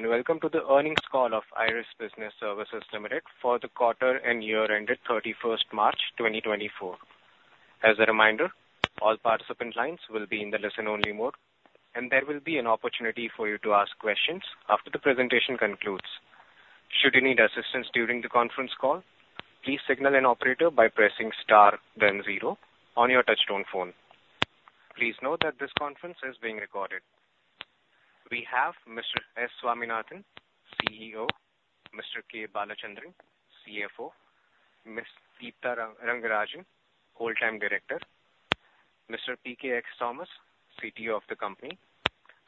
Good day, and welcome to the earnings call of IRIS Business Services Limited for the quarter and year ended March 31st 2024. As a reminder, all participant lines will be in the listen-only mode, and there will be an opportunity for you to ask questions after the presentation concludes. Should you need assistance during the conference call, please signal an operator by pressing star then zero on your touchtone phone. Please note that this conference is being recorded. We have Mr. S. Swaminathan, CEO; Mr. K. Balachandran, CFO; Ms. Deepta Rangarajan, Whole Time Director; Mr. P. K. X. Thomas, CTO of the company.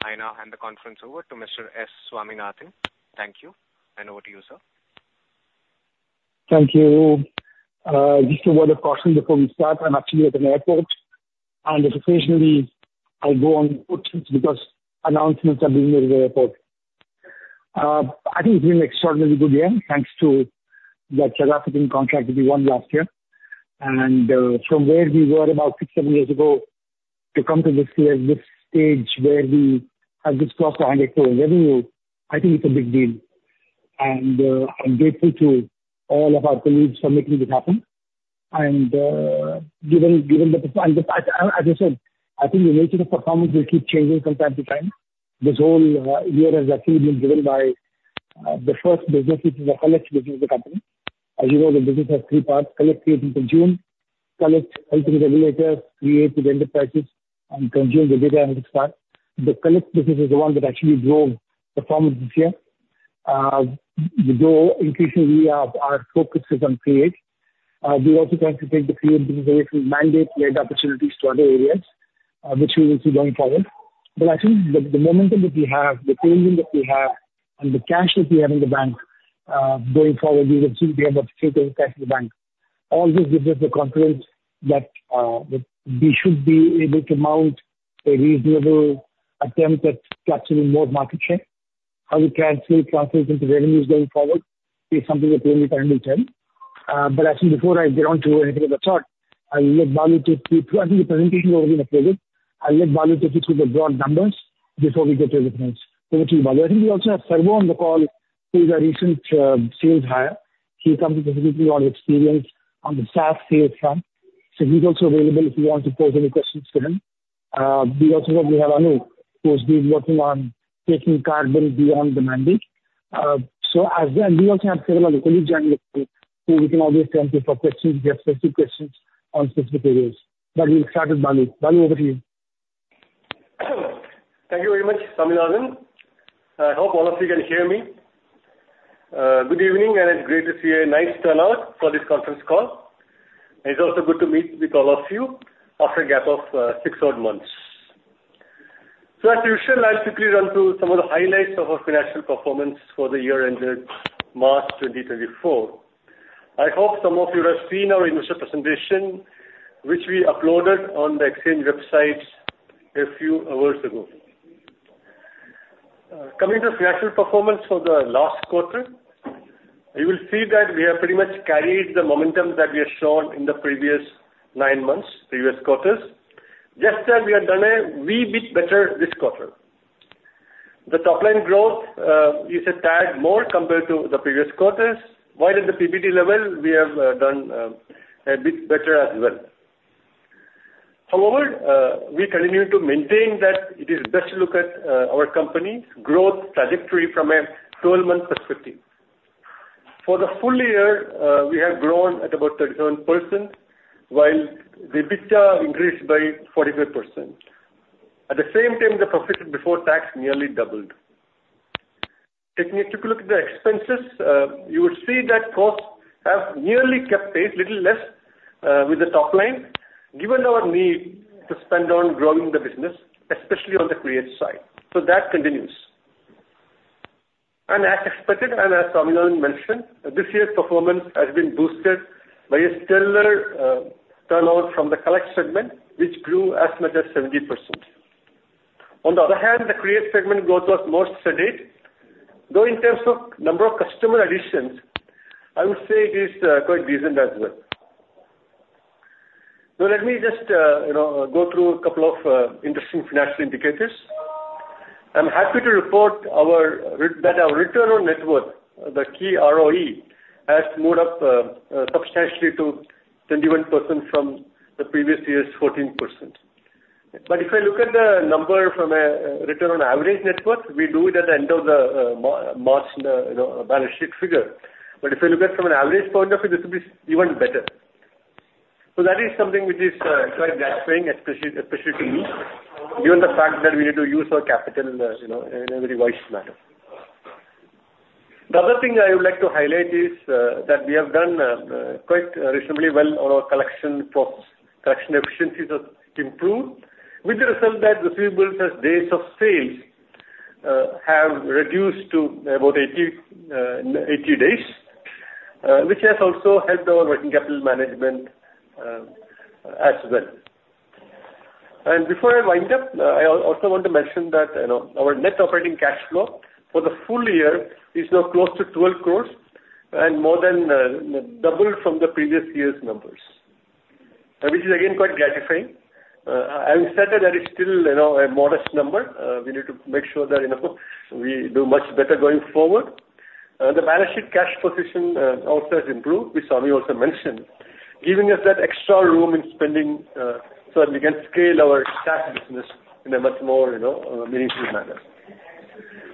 I now hand the conference over to Mr. S. Swaminathan. Thank you, and over to you, sir. Thank you. Just a word of caution before we start. I'm actually at an airport, and if occasionally I go on mute, it's because announcements are being made at the airport. I think it's been an extraordinarily good year, thanks to the South African contract that we won last year. And, from where we were about six, seven years ago, to come to this year, this stage, where we have just crossed INR 100 million in revenue, I think it's a big deal. And, I'm grateful to all of our colleagues for making this happen. And, given, given the performance, as I said, I think the nature of performance will keep changing from time to time. This whole year has actually been driven by the first business, which is the collect business of the company. As you know, the business has three parts: Collect, Create, and Consume. Collect helps with regulators, Create with enterprises, and Consume the data analytics part. The Collect business is the one that actually drove performance this year. Though increasingly, our focus is on Create, we're also trying to take the Create business away from mandate-led opportunities to other areas, which we will see going forward. But I think the momentum that we have, the team that we have and the cash that we have in the bank, going forward, we will soon be able to take over cash in the bank. All this gives us the confidence that we should be able to mount a reasonable attempt at capturing more market share. How we translate capture into revenues going forward is something that we will determine then. But actually before I get on to anything of that sort, I'll let Balu take you through. I think the presentation will be in a moment. I'll let Balu take you through the broad numbers before we get to the difference. Over to you, Balu. I think we also have Sarvo on the call, who is our recent sales hire. He comes with a lot of experience on the SaaS sales front, so he's also available if you want to pose any questions to him. We also have Anup, who's been working on taking Carbon beyond the mandate. We also have several other colleagues joining us, who we can always turn to for questions, if you have specific questions on specific areas. But we'll start with Balu. Balu, over to you. Thank you very much, Swaminathan. I hope all of you can hear me. Good evening, and it's great to see a nice turnout for this conference call. It's also good to meet with all of you after a gap of, uh, six odd months. As usual, I'll quickly run through some of the highlights of our financial performance for the year ended March 2024. I hope some of you have seen our investor presentation, which we uploaded on the Exchange website a few hours ago. Coming to financial performance for the last quarter, you will see that we have pretty much carried the momentum that we have shown in the previous nine months, previous quarters, just that we have done a wee bit better this quarter. The top-line growth is a tad more compared to the previous quarters, while at the PBT level, we have done a bit better as well. However, we continue to maintain that it is best to look at our company's growth trajectory from a 12-month perspective. For the full year, we have grown at about 37%, while the EBITDA increased by 45%. At the same time, the profit before tax nearly doubled. Taking a quick look at the expenses, you would see that costs have nearly kept pace, little less, with the top line, given our need to spend on growing the business, especially on the Create side. So that continues. And as expected, and as Swaminathan mentioned, this year's performance has been boosted by a stellar turnout from the Collect segment, which grew as much as 70%. On the other hand, the Create segment growth was more sedate, though, in terms of number of customer additions, I would say it is quite decent as well. So let me just, you know, go through a couple of interesting financial indicators. I'm happy to report that our return on net worth, the key ROE, has moved up substantially to 21% from the previous year's 14%. But if I look at the number from a return on average net worth, we do it at the end of the March balance sheet figure. But if you look at it from an average point of view, this will be even better. So that is something which is quite gratifying, especially, especially to me, given the fact that we need to use our capital, you know, in a very wise manner. The other thing I would like to highlight is that we have done quite reasonably well on our collection process. Collection efficiencies have improved, with the result that receivables as days of sales have reduced to about 80 days, which has also helped our working capital management, as well. And before I wind up, I also want to mention that, you know, our net operating cash flow for the full year is now close to 12 crore and more than doubled from the previous year's numbers, which is again quite gratifying. I would say that that is still, you know, a modest number. We need to make sure that, you know, we do much better going forward. The balance sheet cash position also has improved, which Swami also mentioned, giving us that extra room in spending so that we can scale our SaaS business in a much more, you know, meaningful manner.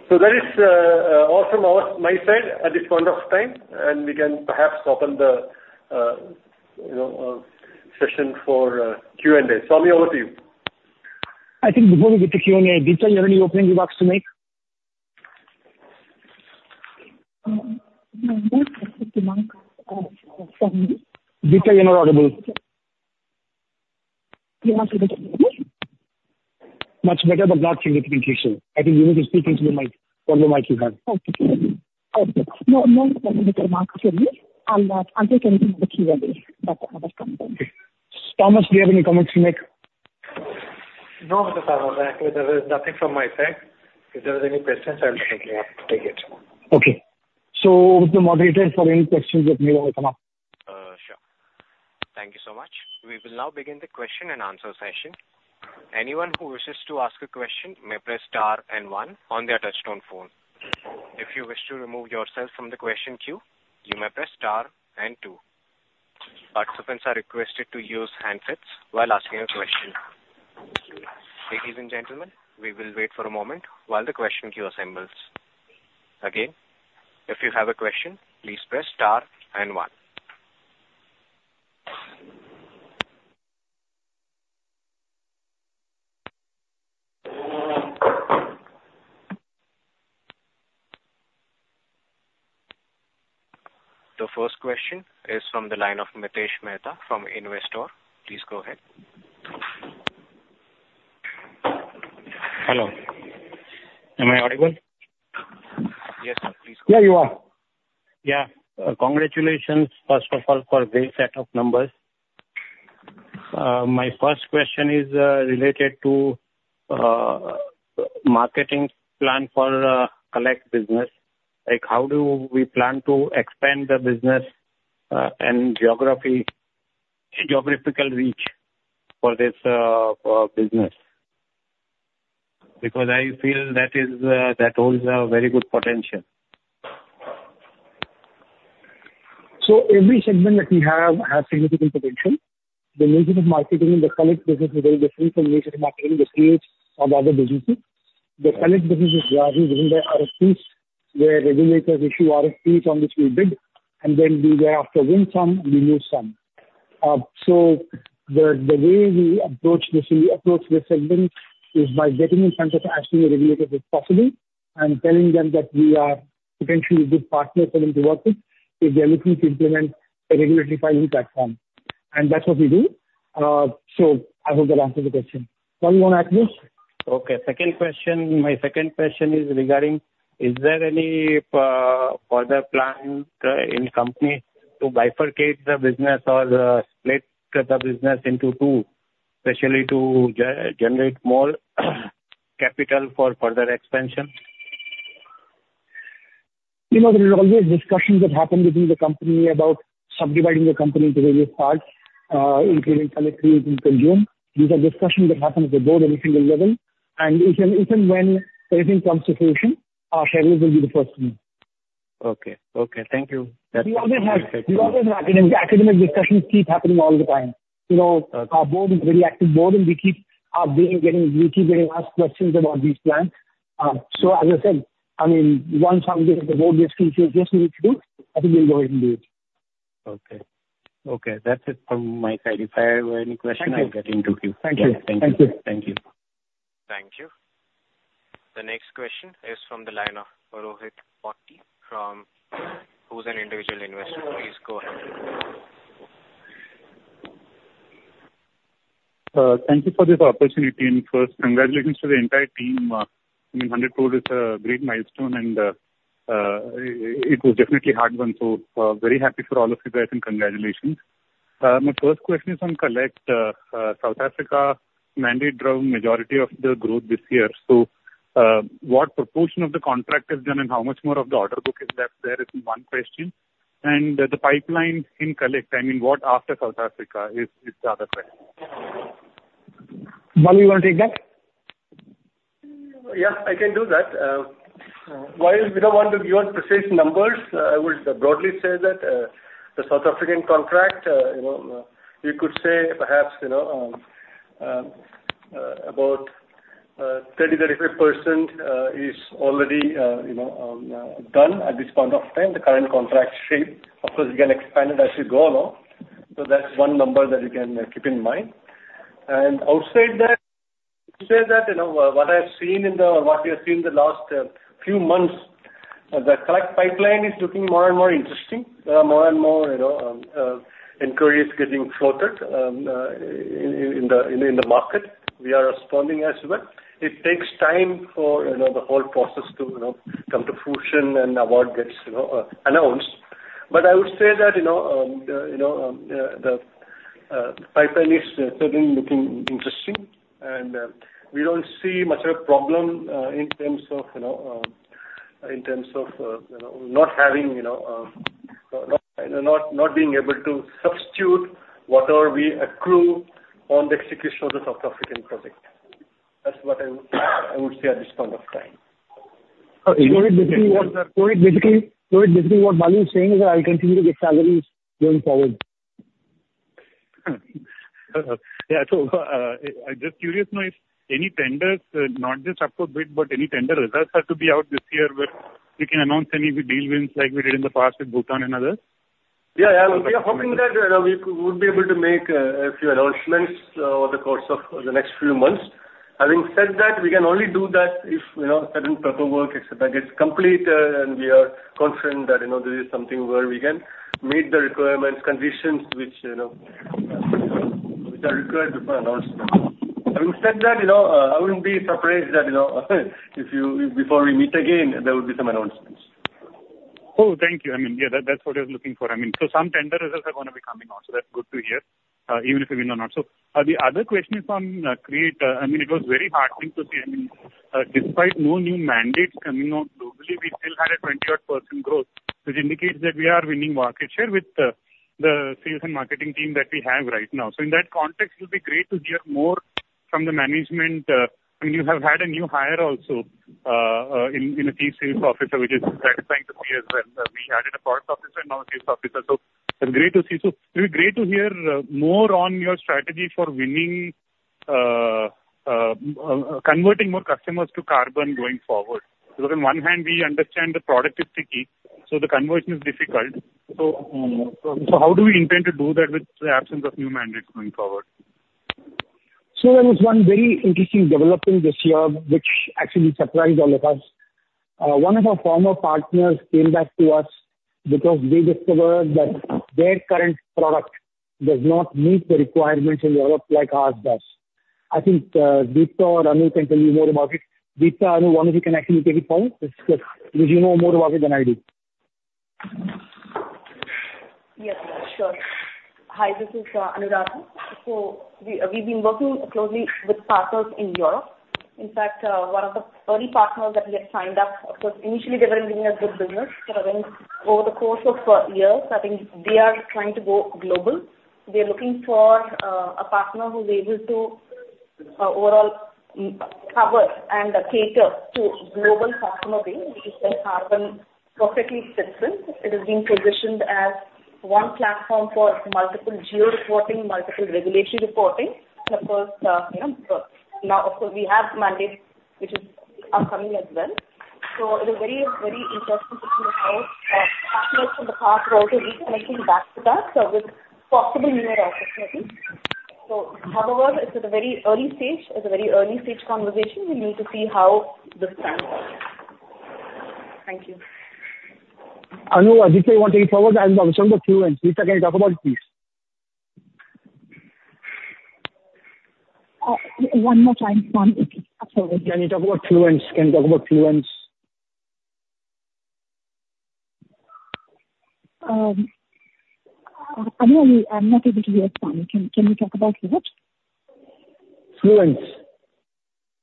So that is all from my side at this point of time, and we can perhaps open the, you know, session for Q&A. Swami, over to you. I think before we get to Q&A, Deepta, you have any opening remarks to make? Um, no, Deepta, you're not audible. You want me to? Much better, but not significantly so. I think you need to speak into the mic, whatever mic you have. Okay. Okay. No, no, I'll, I'll take anything in the Q&A that comes up. Thomas, do you have any comments to make? No, Mr. Thomas. Actually, there is nothing from my side. If there is any questions, I'll certainly have to take it. Okay. Over to the moderator for any questions that may come up. Sure. Thank you so much. We will now begin the question and answer session. Anyone who wishes to ask a question may press star and one on their touchtone phone. If you wish to remove yourself from the question queue, you may press star and two. Participants are requested to use handsets while asking a question. Ladies and gentlemen, we will wait for a moment while the question queue assembles. Again, if you have a question, please press star and one. The first question is from the line of Mitesh Mehta from Investor. Please go ahead. Hello. Am I audible? Yes, sir. Please- Yeah, you are. Yeah. Congratulations, first of all, for great set of numbers. My first question is related to marketing plan for Collect business. Like, how do we plan to expand the business and geographical reach for this business? Because I feel that is that holds a very good potential. So every segment that we have has significant potential. The nature of marketing in the Collect business is very different from the nature of marketing in the Create or the other businesses. The Collect business is largely driven by RFPs, where regulators issue RFPs on which we bid, and then we thereafter win some, and we lose some. So the way we approach this, we approach this segment is by getting in front of as many regulators as possible, and telling them that we are potentially a good partner for them to work with, if they are looking to implement a regulatory filing platform. And that's what we do. So I hope that answers the question. Swami, you wanna add to this? Okay, second question. My second question is regarding, is there any further plan in company to bifurcate the business or split the business into two, especially to generate more capital for further expansion? You know, there are always discussions that happen within the company about subdividing the company into various parts, including Collect, Create, and Consume. These are discussions that happen at the board and senior level, and if and when anything comes to fruition, shareholders will be the first to know. Okay. Okay, thank you. That's- We always have academic discussions keep happening all the time. You know- Okay. Our board is a very active board, and we keep getting asked questions about these plans. So as I said, I mean, once something at the board gets confused, yes, we need to do, I think we'll go ahead and do it. Okay. Okay, that's it from my side. If I have any question, I'll get into you. Thank you. Yeah. Thank you. Thank you. Thank you. The next question is from the line of Rohit Potti, who's an individual investor. Please go ahead. Thank you for this opportunity, and first, congratulations to the entire team. I mean, 100 crore is a great milestone, and it was definitely hard-won, so very happy for all of you guys, and congratulations. My first question is on Collect. South Africa mandate drove majority of the growth this year. So, what proportion of the contract is done, and how much more of the order book is left there, is one question. And the pipeline in Collect, I mean, what after South Africa is, is the other question? Swami, you want to take that? Yeah, I can do that. While we don't want to give out precise numbers, I would broadly say that the South African contract, you know, you could say perhaps, you know, about 30%-35% is already, you know, done at this point of time, the current contract shape. Of course, it can expand as we go along, so that's one number that you can keep in mind. And outside that, say that, you know, what I've seen in the... or what we have seen in the last few months, the Collect pipeline is looking more and more interesting. More and more, you know, inquiries getting floated in the market. We are responding as well. It takes time for, you know, the whole process to, you know, come to fruition and award gets, you know, announced. But I would say that, you know, the pipeline is certainly looking interesting. We don't see much of a problem in terms of, you know, in terms of, you know, not having, you know, not being able to substitute whatever we accrue on the execution of the South African project. That's what I would say at this point of time. So basically what Balu is saying is that I'll continue to get salaries going forward? Yeah. So, I'm just curious to know if any tenders, not just up for bid, but any tender results are to be out this year, where you can announce any big deal wins like we did in the past with Bhutan and others? Yeah, yeah. We are hoping that we would be able to make a few announcements over the course of the next few months. Having said that, we can only do that if, you know, certain paperwork, et cetera, gets complete, and we are confident that, you know, this is something where we can meet the requirements, conditions which, you know, which are required before announcement. Having said that, you know, I wouldn't be surprised that, you know, if you-- before we meet again, there will be some announcements. Oh, thank you. I mean, yeah, that, that's what I was looking for. I mean, so some tender results are gonna be coming out, so that's good to hear, even if they win or not. So, the other question is on, Create. I mean, it was very heartening to see, I mean, despite no new mandates coming out globally, we still had a 20%-odd growth, which indicates that we are winning market share with, the sales and marketing team that we have right now. So in that context, it'll be great to hear more from the management. I mean, you have had a new hire also, in a chief sales officer, which is satisfying to see as well. We added a product officer and now a sales officer, so great to see. So it'll be great to hear more on your strategy for winning converting more customers to Carbon going forward. Because on one hand, we understand the product is tricky, so the conversion is difficult. So how do we intend to do that with the absence of new mandates going forward? So there was one very interesting development this year, which actually surprised all of us. One of our former partners came back to us because they discovered that their current product does not meet the requirements in Europe, like ours does. I think, Deepta or Anu can tell you more about it. Deepta or Anu, one of you can actually take it from... You know more about it than I do. Yes, sure. Hi, this is Anuradha. So we, we've been working closely with partners in Europe. In fact, one of the early partners that we had signed up, of course, initially they were giving us good business. But then over the course of years, I think they are trying to go global. They're looking for a partner who's able to overall cover and cater to global customer base, which is where Carbon perfectly fits in. It is being positioned as one platform for multiple geo-reporting, multiple regulation reporting. Of course, you know, now of course, we have mandates which is upcoming as well. So it is very, very interesting to see how partners from the past are also reconnecting back to us with possible new opportunities. So however, it's at a very early stage, it's a very early stage conversation. We need to see how this pans out. Thank you. Anu, Deepta, you want to take it forward? I understand the Fluence. Deepta, can you talk about it, please? One more time, Swami. I'm sorry. Can you talk about Fluence? Can you talk about Fluence? Anu, I'm not able to hear Swami. Can you talk about what? Fluence.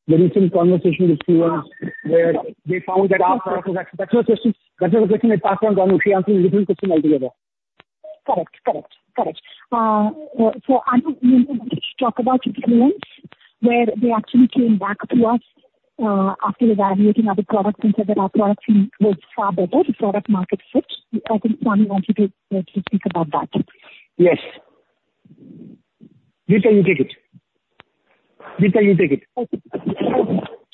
There's been some conversation with Fluence- Ah. where they found that our product was actually a question, that was a question I passed on Anu. She answered a different question altogether. Correct, correct, correct. So Anu, you wanted to talk about Fluence, where they actually came back to us after evaluating other products and said that our product seems, works far better, the product market fit. I think, Swami, you wanted to speak about that. Yes. Deepta, you take it. Deepta, you take it. Okay,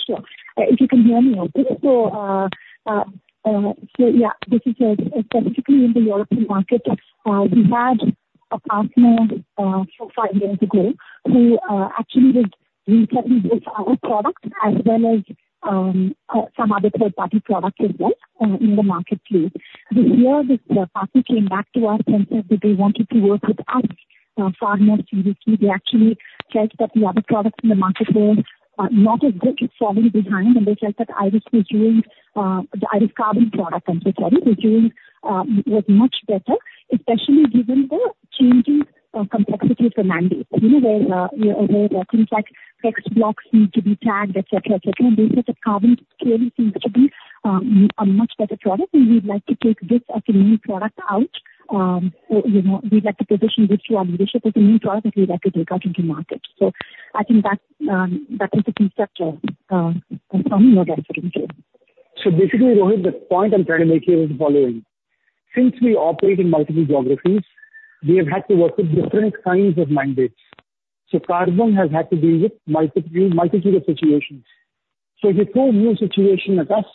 sure. If you can hear me okay. So yeah, this is specifically in the European market. We had a partner four-five years ago who actually was reselling our product as well as some other third-party product as well in the marketplace. This year, this partner came back to us and said that they wanted to work with us far more seriously. They actually felt that the other products in the market were not as good as firmly behind, and they felt that IRIS was doing the IRIS Carbon product. I'm so sorry, was doing was much better, especially given the changing complexities of mandates. You know, where you know, where things like text blocks need to be tagged, et cetera, et cetera. They said that Carbon clearly seems to be a much better product, and we'd like to take this as a new product out. So, you know, we'd like to position this relationship as a new product, and we'd like to take out into market. So I think that that is the key structure from what I'm saying here. So basically, Rohit, the point I'm trying to make here is the following: Since we operate in multiple geographies, we have had to work with different kinds of mandates. So Carbon has had to deal with multiple, multitude of situations. So if you throw a new situation at us,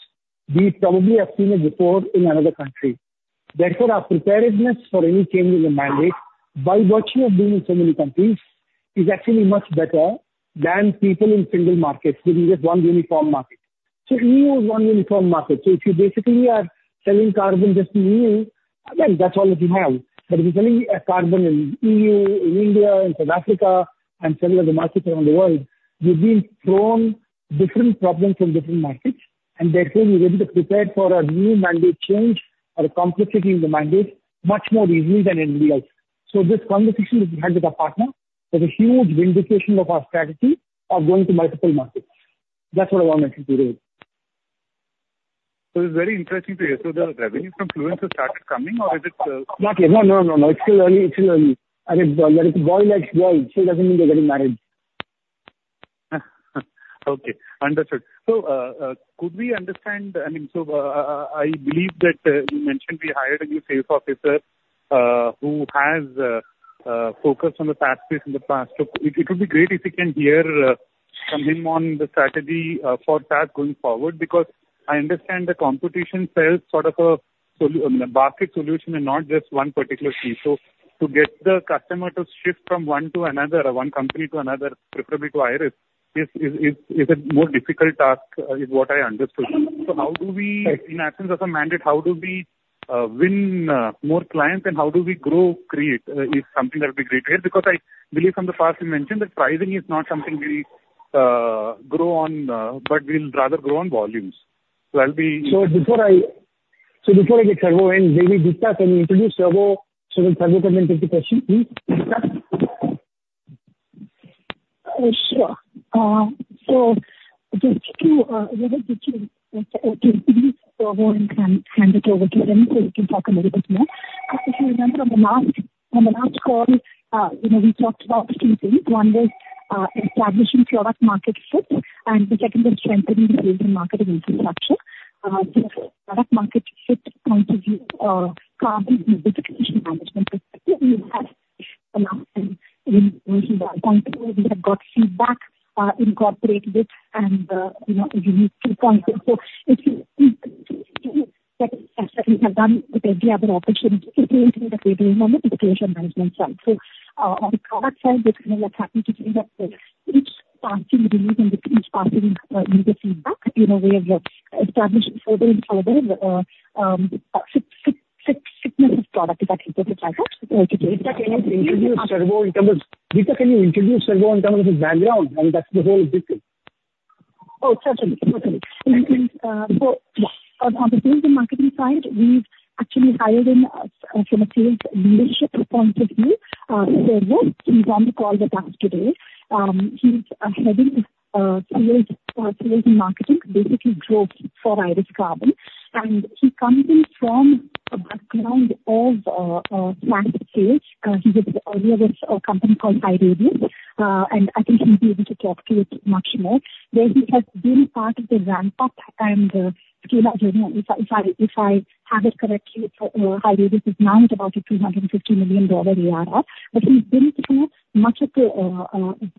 we probably have seen it before in another country. Therefore, our preparedness for any change in the mandate, by virtue of being in so many countries, is actually much better than people in single markets with just one uniform market. So EU is one uniform market. So if you basically are selling Carbon just to EU, again, that's all that you have. But if you're selling, Carbon in E.U., in India, in South Africa, and several other markets around the world, you're being thrown different problems from different markets, and therefore, you're able to prepare for a new mandate change or a complexity in the mandate, much more easily than anybody else... So this conversation we've had with our partner is a huge vindication of our strategy of going to multiple markets. That's what I want to say to you. So it's very interesting to hear. So the revenue from Fluence has started coming or is it? Not yet. No, no, no, no, it's still early, it's still early. I mean, boy, there is a boy likes girl, she doesn't mean they're getting married. Okay, understood. So, could we understand... I mean, so, I believe that you mentioned we hired a new sales officer who has focused on the tax base in the past. So it would be great if you can hear from him on the strategy for tax going forward, because I understand the competition sells sort of a market solution and not just one particular piece. So to get the customer to shift from one to another, or one company to another, preferably to IRIS, is a more difficult task, is what I understood. So how do we, in absence of a mandate, how do we win more clients, and how do we grow create is something that would be great, because I believe from the past you mentioned that pricing is not something we grow on, but we'll rather grow on volumes. So I'll be- So before I get Sarvo in, maybe Deepta can introduce Sarvo. So Sarvo can answer the question, please. Sure. So just to, rather than to, okay, maybe Sarvo can hand it over to him, so he can talk a little bit more. If you remember on the last, on the last call, you know, we talked about two things. One was establishing product market fit, and the second was strengthening the sales and marketing infrastructure. From a product market fit point of view, Carbon disclosure management perspective, we have a lot, and we are comfortable. We have got feedback, incorporated it, and, you know, we need to confirm. So if you- as we have done with every other opportunity, it really is the moment, the disclosure management side. So, on the product side, what's gonna happen to things with each passing release and with each passing user feedback, you know, we have established further and further, six months of product that we just tried to, to- Deepta, can you introduce Sarvo in terms of... Deepta, can you introduce Sarvo in terms of his background? I mean, that's the whole bit. Oh, sure, sure. Okay. We can... So, yeah, on the sales and marketing side, we've actually hired in, from a sales leadership point of view, Sarvo. He was on the call the past two days. He's heading, sales, sales and marketing, basically growth for IRIS Carbon. And he comes in from a background of, cloud space. He was earlier with a company called HighRadius. And I think he'll be able to talk to you much more, where he has been part of the ramp-up. And, if you know, if I, if I, if I have it correctly, for, HighRadius is now at about a $350 million ARR. But he's been through much of the,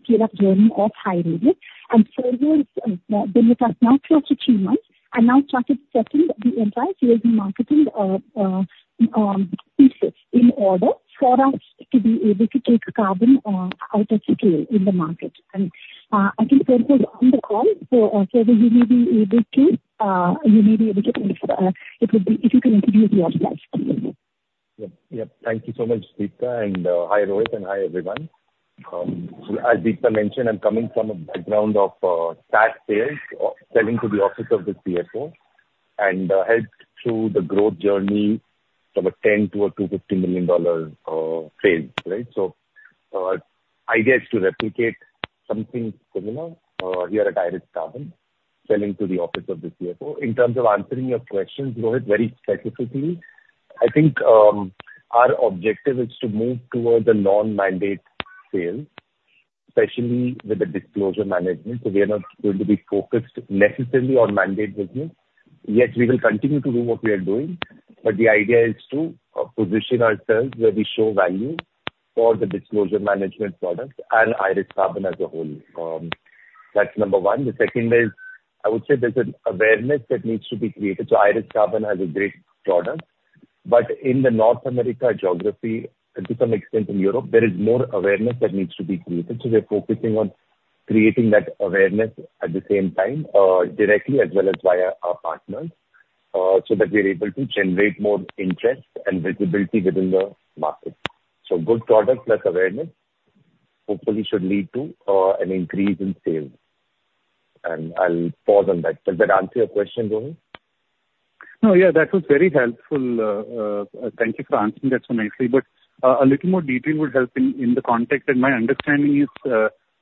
scale-up journey of HighRadius. And Sarvo is been with us now close to three months, and now started setting the entire sales and marketing pieces in order for us to be able to take Carbon out of scale in the market. And I think Sarvo is on the call. So, Sarvo, you may be able to, it would be if you can introduce yourself, please. Yep. Yep. Thank you so much, Deepta, and, hi, Rohit, and hi, everyone. As Deepta mentioned, I'm coming from a background of, tax sales, selling to the office of the CFO, and, helped through the growth journey from a $10 million to a $250 million sales, right? Idea is to replicate something similar, here at IRIS Carbon, selling to the office of the CFO. In terms of answering your questions, Rohit, very specifically, I think, our objective is to move towards a non-mandate sales, especially with the disclosure management. We are not going to be focused necessarily on mandate business. Yet we will continue to do what we are doing, but the idea is to, position ourselves where we show value for the disclosure management product and IRIS Carbon as a whole. That's number one. The second is, I would say there's an awareness that needs to be created. So IRIS Carbon has a great product, but in the North America geography, and to some extent in Europe, there is more awareness that needs to be created. So we are focusing on creating that awareness at the same time, directly as well as via our partners, so that we are able to generate more interest and visibility within the market. So good product plus awareness, hopefully should lead to, an increase in sales. And I'll pause on that. Does that answer your question, Rohit? No, yeah, that was very helpful. Thank you for answering that so nicely. But, a little more detail would help in the context, and my understanding is,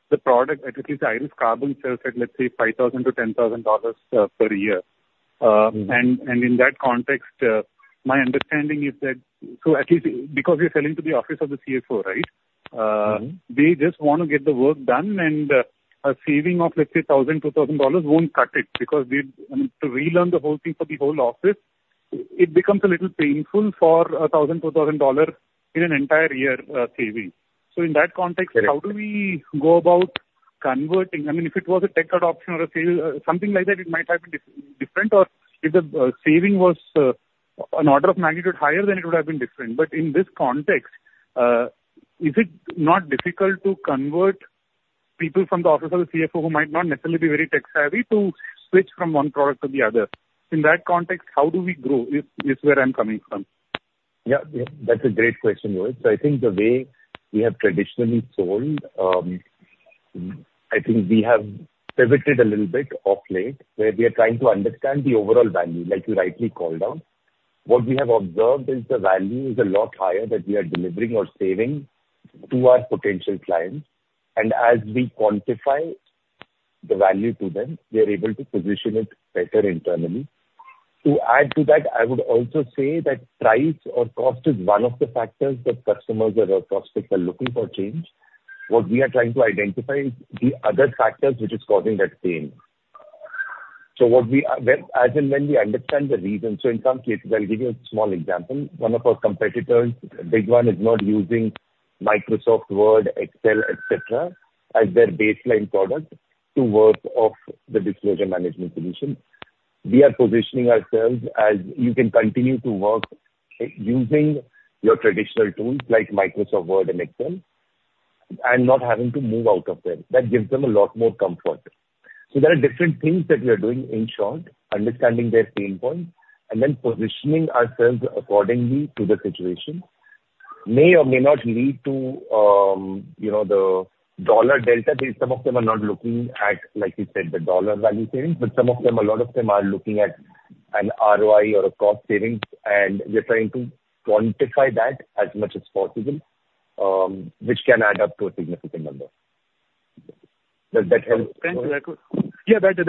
the product that at least the IRIS Carbon sells at, let's say, $5,000-$10,000 per year. Mm-hmm. In that context, my understanding is that, so at least because we're selling to the office of the CFO, right? Mm-hmm. They just want to get the work done, and a saving of, let's say, $1,000, $2,000 won't cut it, because to relearn the whole thing for the whole office, it becomes a little painful for a $1,000, $2,000 dollar in an entire year, saving. So in that context- Correct. How do we go about converting... I mean, if it was a tech adoption or a sale, something like that, it might have been different, or if the saving was an order of magnitude higher, then it would have been different. But in this context, is it not difficult to convert people from the office of the CFO, who might not necessarily be very tech savvy, to switch from one product to the other? In that context, how do we grow, is where I'm coming from. Yeah, yeah, that's a great question, Rohit. So I think the way we have traditionally sold, I think we have pivoted a little bit of late, where we are trying to understand the overall value, like you rightly called out. What we have observed is the value is a lot higher that we are delivering or saving to our potential clients, and as we quantify the value to them, we are able to position it better internally. To add to that, I would also say that price or cost is one of the factors that customers or our prospects are looking for change. What we are trying to identify is the other factors which is causing that change. So what we then as and when we understand the reasons, so in some cases, I'll give you a small example. One of our competitors, a big one, is not using Microsoft Word, Excel, et cetera, as their baseline product to work off the disclosure management solution. We are positioning ourselves as you can continue to work using your traditional tools like Microsoft Word and Excel, and not having to move out of them. That gives them a lot more comfort. So there are different things that we are doing, in short, understanding their pain points, and then positioning ourselves accordingly to the situation. May or may not lead to, you know, the dollar delta. Some of them are not looking at, like you said, the dollar value savings, but some of them, a lot of them, are looking at an ROI or a cost savings, and we are trying to quantify that as much as possible, which can add up to a significant number. Does that help? Thank you. That was. Yeah, that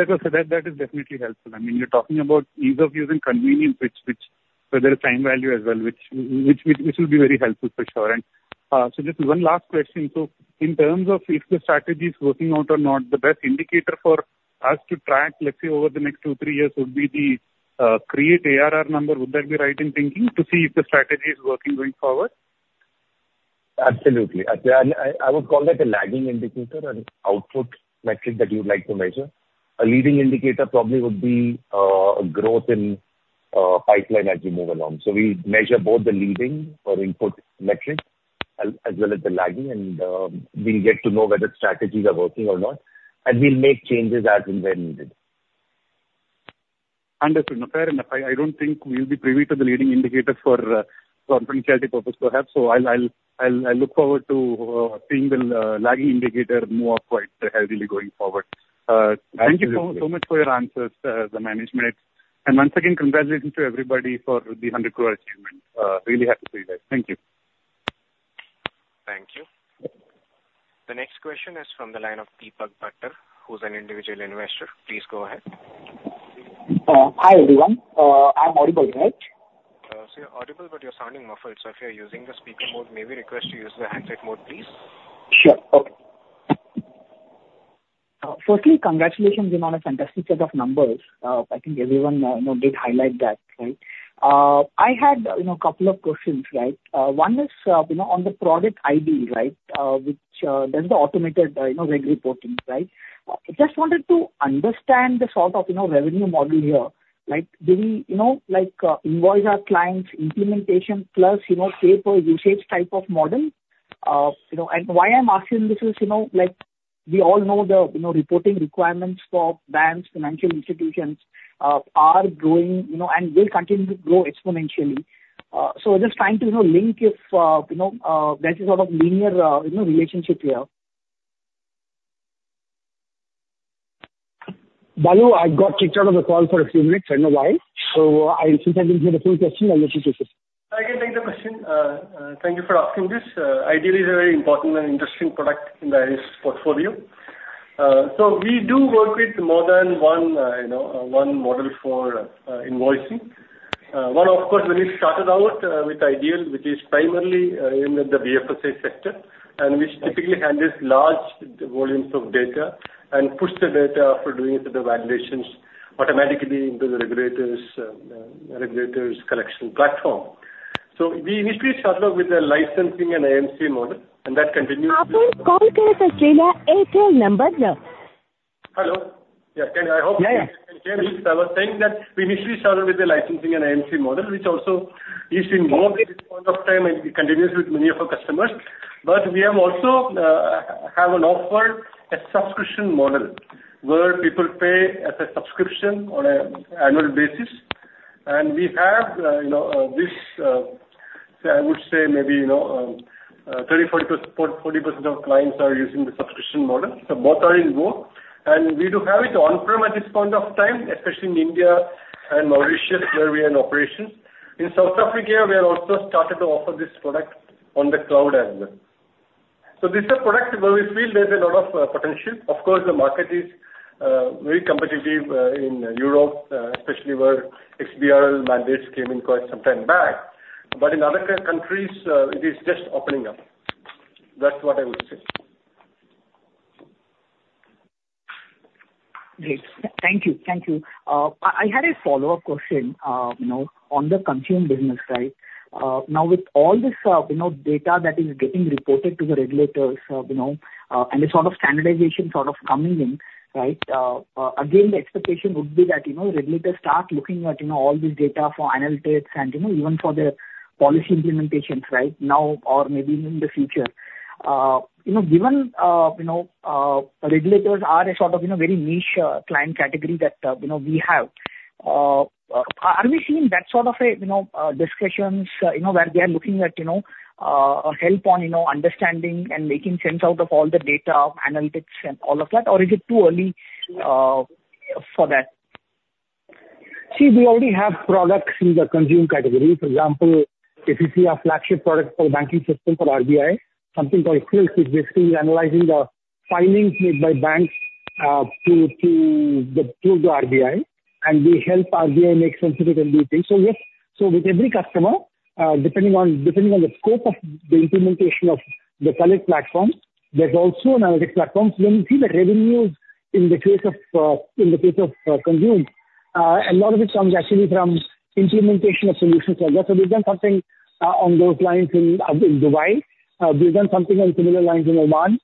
is definitely helpful. I mean, you're talking about ease of use and convenience, which so there is time value as well, which will be very helpful for sure. And so just one last question: so in terms of if the strategy is working out or not, the best indicator for us to track, let's say, over the next two, three years, would be the Create ARR number. Would that be right in thinking to see if the strategy is working going forward? Absolutely. I, I would call that a lagging indicator, an output metric that you would like to measure. A leading indicator probably would be a growth in pipeline as we move along. So we measure both the leading or input metrics, as well as the lagging, and we get to know whether strategies are working or not, and we make changes as and when needed. Understood. No, fair enough. I don't think we'll be privy to the leading indicators for confidentiality purposes, perhaps, so I'll look forward to seeing the lagging indicator move up quite heavily going forward. Absolutely. Thank you so, so much for your answers, the management. Once again, congratulations to everybody for the 100 crore achievement. Really happy to see that. Thank you. Thank you. The next question is from the line of Deepak Poddar, who's an individual investor. Please go ahead. Hi, everyone. I'm audible, right? You're audible, but you're sounding muffled. If you're using the speaker mode, may we request you use the handset mode, please? Sure. Okay. Firstly, congratulations, you know, on a fantastic set of numbers. I think everyone, you know, did highlight that, right? I had, you know, a couple of questions, right? One is, you know, on the product iDEAL, right, which does the automated, you know, reg reporting, right? Just wanted to understand the sort of, you know, revenue model here. Like, do we, you know, like, invoice our clients, implementation plus, you know, pay-per-usage type of model? You know, and why I'm asking this is, you know, like, we all know the, you know, reporting requirements for banks, financial institutions, are growing, you know, and will continue to grow exponentially. So just trying to, you know, link if, you know, there's a sort of linear, you know, relationship here. Balu, I got kicked out of the call for a few minutes. I don't know why. So I think I didn't hear the full question. I'll let you take this. I can take the question. Thank you for asking this. iDEAL is a very important and interesting product in the IRIS portfolio. So we do work with more than one, you know, one model for invoicing. One, of course, when we started out with iDEAL, which is primarily in the BFSI sector, and which typically handles large volumes of data and push the data after doing the validations automatically into the regulators' collection platform. So we initially started with the licensing and AMC model, and that continues- Hello? Yeah, can... I hope- Yeah, yeah. I was saying that we initially started with the licensing and AMC model, which also is in vogue at this point of time, and it continues with many of our customers. But we have also have an offer, a subscription model, where people pay as a subscription on an annual basis. And we have, you know, this, I would say maybe, you know, 30%, 40%, 40% of clients are using the subscription model. So both are in vogue. And we do have it on-prem at this point of time, especially in India and Mauritius, where we are in operations. In South Africa, we have also started to offer this product on the cloud as well. So these are products where we feel there's a lot of potential. Of course, the market is very competitive in Europe, especially where XBRL mandates came in quite some time back. But in other countries, it is just opening up. That's what I would say. Great. Thank you. Thank you. I had a follow-up question, you know, on the Consume business, right? Again, the expectation would be that, you know, regulators start looking at, you know, all this data for analytics and, you know, even for their policy implementations, right? Now or maybe in the future. You know, given, you know, regulators are a sort of, you know, very niche, client category that, you know, we have-... Are we seeing that sort of a, you know, discussions, you know, where we are looking at, you know, a help on, you know, understanding and making sense out of all the data, analytics and all of that? Or is it too early, for that? See, we already have products in the Consume category. For example, if you see our flagship product for banking system for RBI, something called Silk, which basically analyzing the filings made by banks to the RBI, and we help RBI make sense of it and do things. So, yes, so with every customer, depending on the scope of the implementation of the Collect platform, there's also an analytics platform. So when you see the revenues in the case of Consume, a lot of it comes actually from implementation of solutions like that. So we've done something on those lines in Dubai. We've done something on similar lines in Oman.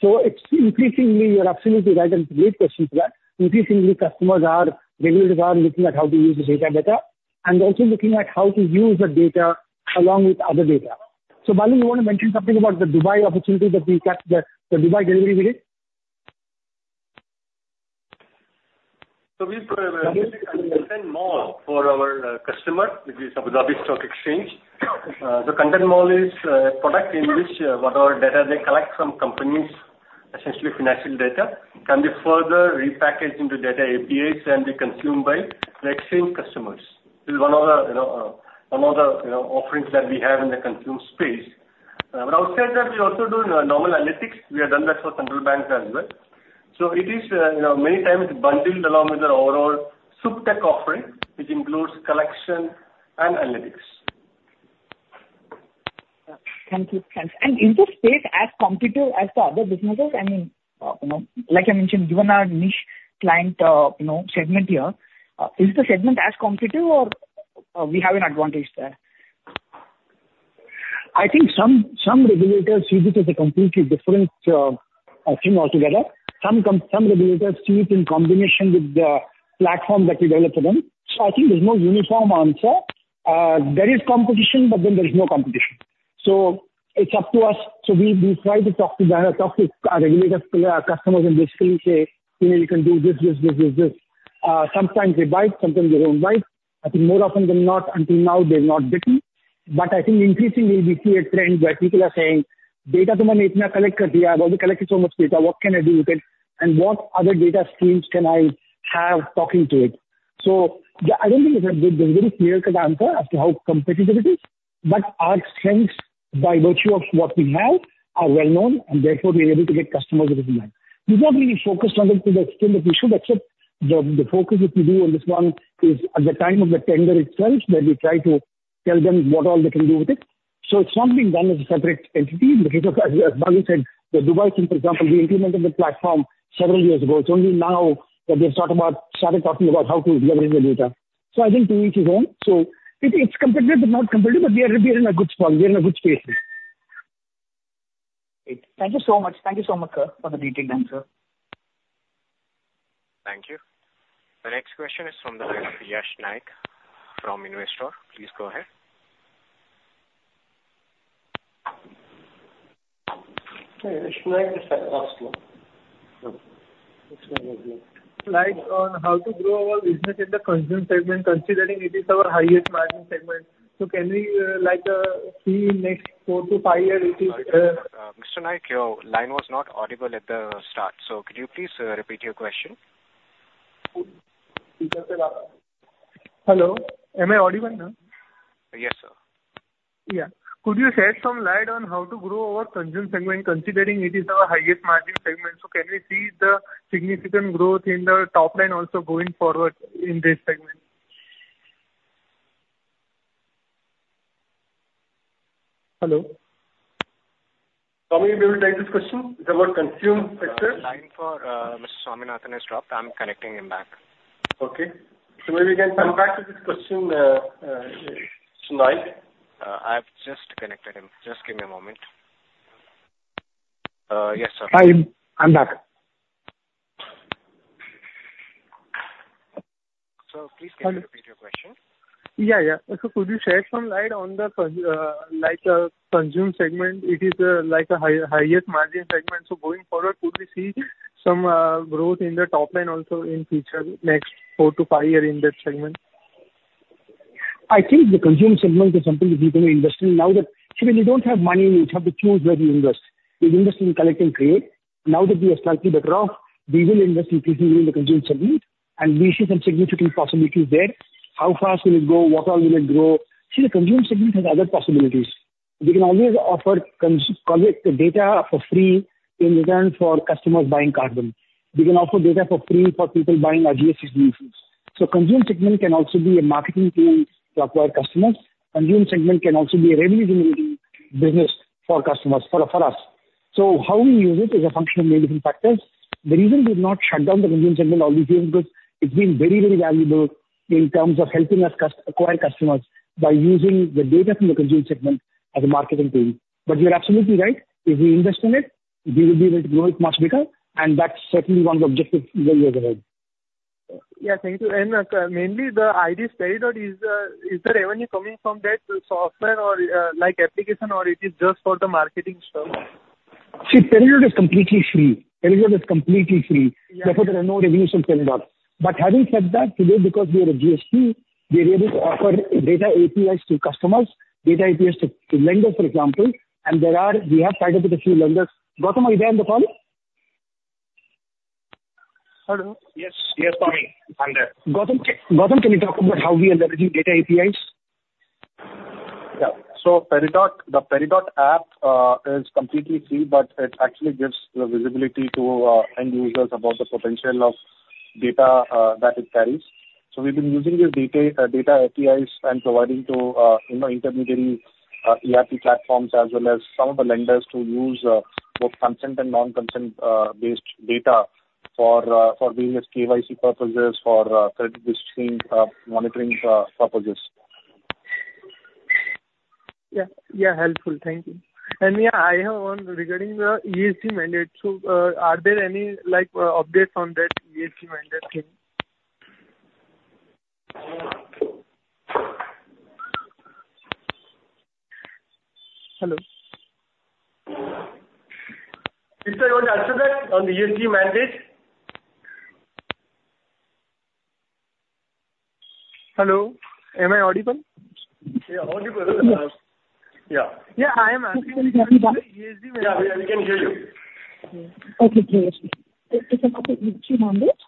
So it's increasingly, you're absolutely right, and great question for that. Increasingly, customers are, regulators are looking at how to use the data better, and also looking at how to use the data along with other data. So, Balu, you want to mention something about the Dubai opportunity that we got the, the Dubai delivery we did? So we've got a content mall for our customer, which is Abu Dhabi Securities Exchange. The content mall is a product in which what all data they collect from companies, essentially financial data, can be further repackaged into data APIs and be consumed by the exchange customers. This is one of the, you know, one of the, you know, offerings that we have in the consume space. But outside that, we also do normal analytics. We have done that for central banks as well. So it is, you know, many times bundled along with the overall SupTech offering, which includes collection and analytics. Thank you. Thanks. And is this space as competitive as the other businesses? I mean, you know, like I mentioned, given our niche client, you know, segment here, is the segment as competitive or we have an advantage there? I think some regulators see this as a completely different thing altogether. Some regulators see it in combination with the platform that we develop for them. So I think there's no uniform answer. There is competition, but then there is no competition. So it's up to us. So we try to talk to them, talk to our regulators, customers, and basically say, "You know, you can do this, this, this, this, this." Sometimes they bite, sometimes they don't bite. I think more often than not, until now, they've not bitten. But I think increasingly we see a trend where people are saying, "Data..., I've already collected so much data. What can I do with it, and what other data streams can I have talking to it?" So the item is a very, very clear-cut answer as to how competitive it is, but our strengths by virtue of what we have, are well known, and therefore we're able to get customers with demand. We've not really focused on it to the extent that we should, except the focus that we do on this one is at the time of the tender itself, that we try to tell them what all they can do with it. So it's not being done as a separate entity because of, as Balu said, the Dubai team, for example, we implemented the platform several years ago. It's only now that they've talked about, started talking about how to leverage the data. So I think to each his own. So it's competitive, but not competitive, but we're in a good spot. We're in a good space. Great. Thank you so much. Thank you so much, sir, for the detailed answer. Thank you. The next question is from the line of Yash Naik from Investor. Please go ahead. Hey, Yash Naik is the last one. Light on how to grow our business in the Consume segment, considering it is our highest margin segment. So can we, like, see in next four-five years, it is- Mr. Naik, your line was not audible at the start, so could you please repeat your question? He just said... Hello, am I audible now? Yes, sir. Yeah. Could you shed some light on how to grow our Consume segment, considering it is our highest margin segment? So can we see the significant growth in the top line also going forward in this segment? Hello? Balu, you able to take this question? It's about Consume segment. Line for Mr. Swaminathan has dropped. I'm connecting him back. Okay. So maybe we can come back to this question, Mr. Naik. I've just connected him. Just give me a moment. Yes, sir. Hi, I'm back. Sir, please can you repeat your question? Yeah, yeah. So could you shed some light on the, like, Consume segment? It is, like a highest margin segment, so going forward, could we see some growth in the top line also in future, next 4 to 5 year in that segment? I think the Consume segment is something we've been investing in. Now that... See, when you don't have money, you have to choose where to invest. You invest in Collect and Create. Now that we are slightly better off, we will invest increasingly in the Consume segment, and we see some significant possibilities there. How fast will it go? What all will it grow? See, the Consume segment has other possibilities. We can always offer collect the data for free in return for customers buying Carbon. We can offer data for free for people buying our GST solutions. So Consume segment can also be a marketing tool to acquire customers. Consume segment can also be a revenue-generating business for customers, for, for us. So how we use it is a function of many different factors. The reason we've not shut down the consume segment obviously, because it's been very, very valuable in terms of helping us acquire customers by using the data from the consume segment as a marketing tool. But you're absolutely right. If we invest in it, we will be able to grow it much bigger, and that's certainly one of the objectives many years ahead. Yeah, thank you. And, mainly the iDEAL is the revenue coming from that software or, like, application, or it is just for the marketing stuff?... See, Peridot is completely free. Peridot is completely free. Yeah. Therefore, there are no revenues from Peridot. But having said that, today, because we are a GST, we are able to offer data APIs to customers, data APIs to, to lenders, for example, and there are- we have tied up with a few lenders. Gautam, are you there in the call? Hello? Yes, yes, Tommy, I'm there. Gautam, Gautam, can you talk about how we are leveraging data APIs? Yeah. So Peridot, the Peridot app, is completely free, but it actually gives the visibility to end users about the potential of data that it carries. So we've been using these data APIs and providing to, you know, intermediary ERP platforms, as well as some of the lenders to use both consent and non-consent based data for doing this KYC purposes, for credit risk stream monitoring purposes. Yeah, yeah, helpful. Thank you. And yeah, I have one regarding the ESG mandate. So, are there any, like, updates on that ESG mandate thing? Hello? Mr. Rohit, answer that, on the ESG mandate. Hello, am I audible? Yeah, audible. Yeah. Yeah, I am asking about the ESG mandate. Yeah, yeah, we can hear you. Okay, great. So is it about the ESG mandate?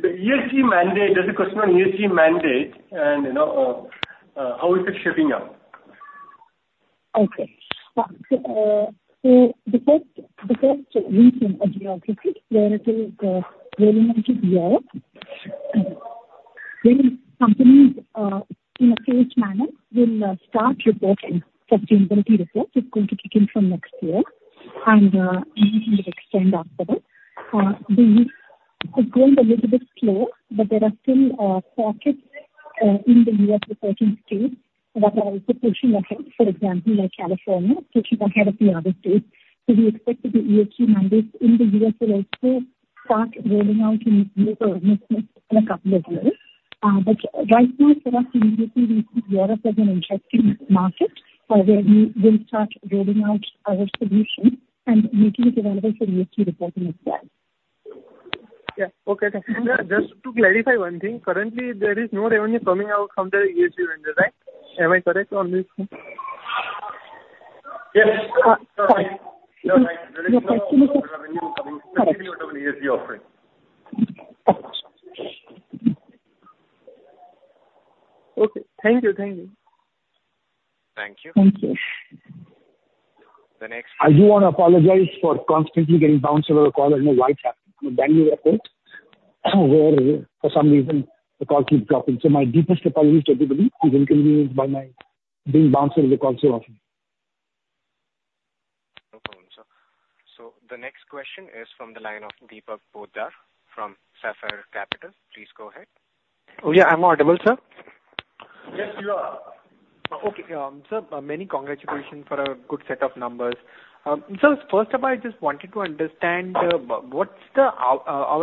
The ESG mandate. There's a question on ESG mandate and, you know, how is it shaping up? Okay. So, so the first, the first reason, geographically, where it is, rolling out in Europe, when companies, in a phased manner will, start reporting sustainability reports. It's going to kick in from next year, and, ESG will extend after that. This has grown a little bit slow, but there are still, pockets, in the US reporting state that are also pushing ahead. For example, like California, pushing ahead of the other states. So we expect that the ESG mandates in the US will also start rolling out in major organizations in a couple of years. But right now, for us, immediately, we see Europe as an interesting market, where we will start rolling out our solutions and making it available for ESG reporting as well. Yeah. Okay, thank you. Just, just to clarify one thing, currently there is no revenue coming out from the ESG mandate, right? Am I correct on this one? Yes, you're right. You're right. No. There is no revenue coming from ESG offering. Okay. Thank you, thank you. Thank you. Thank you. The next- I do want to apologize for constantly getting bounced off the call. I don't know why it's happening. Bangalore airport, where for some reason, the call keeps dropping. So my deepest apologies to everybody who will continue by my being bounced in the call so often. No problem, sir. So the next question is from the line of Deepak Poddar from Sapphire Capital. Please go ahead. Oh, yeah, I'm audible, sir? Yes, you are. Okay. Sir, many congratulations for a good set of numbers. Sir, first up, I just wanted to understand our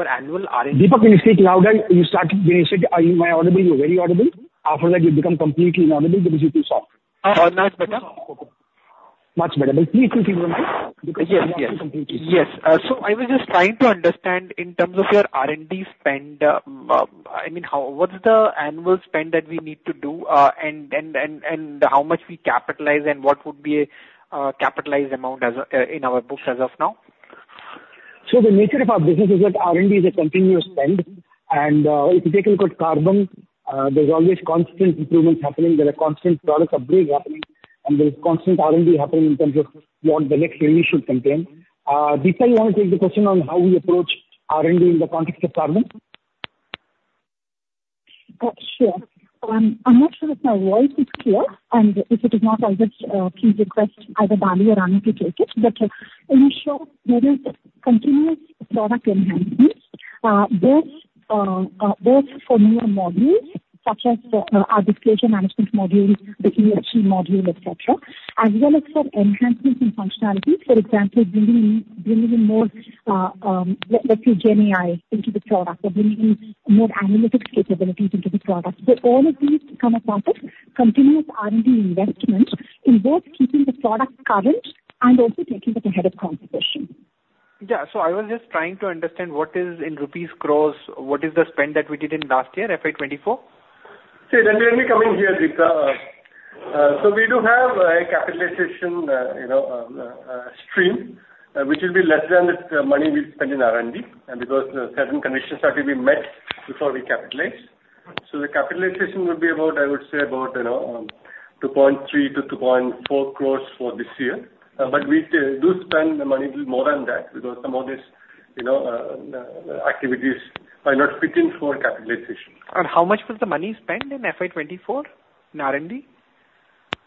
annual R&D- Deeptak, can you speak louder? You started, when you said, "Are you am I audible?" You were very audible. After that, you become completely inaudible because you're too soft. Now it's better? Much better. But please please please remind, because- Yes, yes. Completely. Yes. So I was just trying to understand in terms of your R&D spend, I mean, how... What's the annual spend that we need to do, and, and, and, and how much we capitalize and what would be capitalized amount as in our books as of now? So the nature of our business is that R&D is a continuous spend, and, if you take a look at Carbon, there's always constant improvements happening. There are constant product upgrades happening, and there is constant R&D happening in terms of what the next release should contain. Deepta, you want to take the question on how we approach R&D in the context of Carbon? Sure. I'm not sure if my voice is clear, and if it is not, I would please request either Danny or Anu to take it. But in short, there is continuous product enhancements, both, both for new modules, such as our disclosure management module, the ESG module, et cetera, as well as for enhancements in functionalities. For example, bringing in, bringing in more, let's say, GenAI into the product or bringing in more analytics capabilities into the product. So all of these come across as continuous R&D investments in both keeping the product current and also taking it ahead of competition. Yeah. So I was just trying to understand what is in rupees crores, what is the spend that we did in last year, FY 2024? See, let me come in here, Deepta. So we do have a capitalization, you know, stream, which will be less than the money we spend in R&D, and because certain conditions have to be met before we capitalize. So the capitalization would be about, I would say, about, you know, 2.3-2.4 crore for this year. But we do spend the money a little more than that, because some of these, you know, activities are not fitting for capitalization. How much was the money spent in FY 2024 in R&D?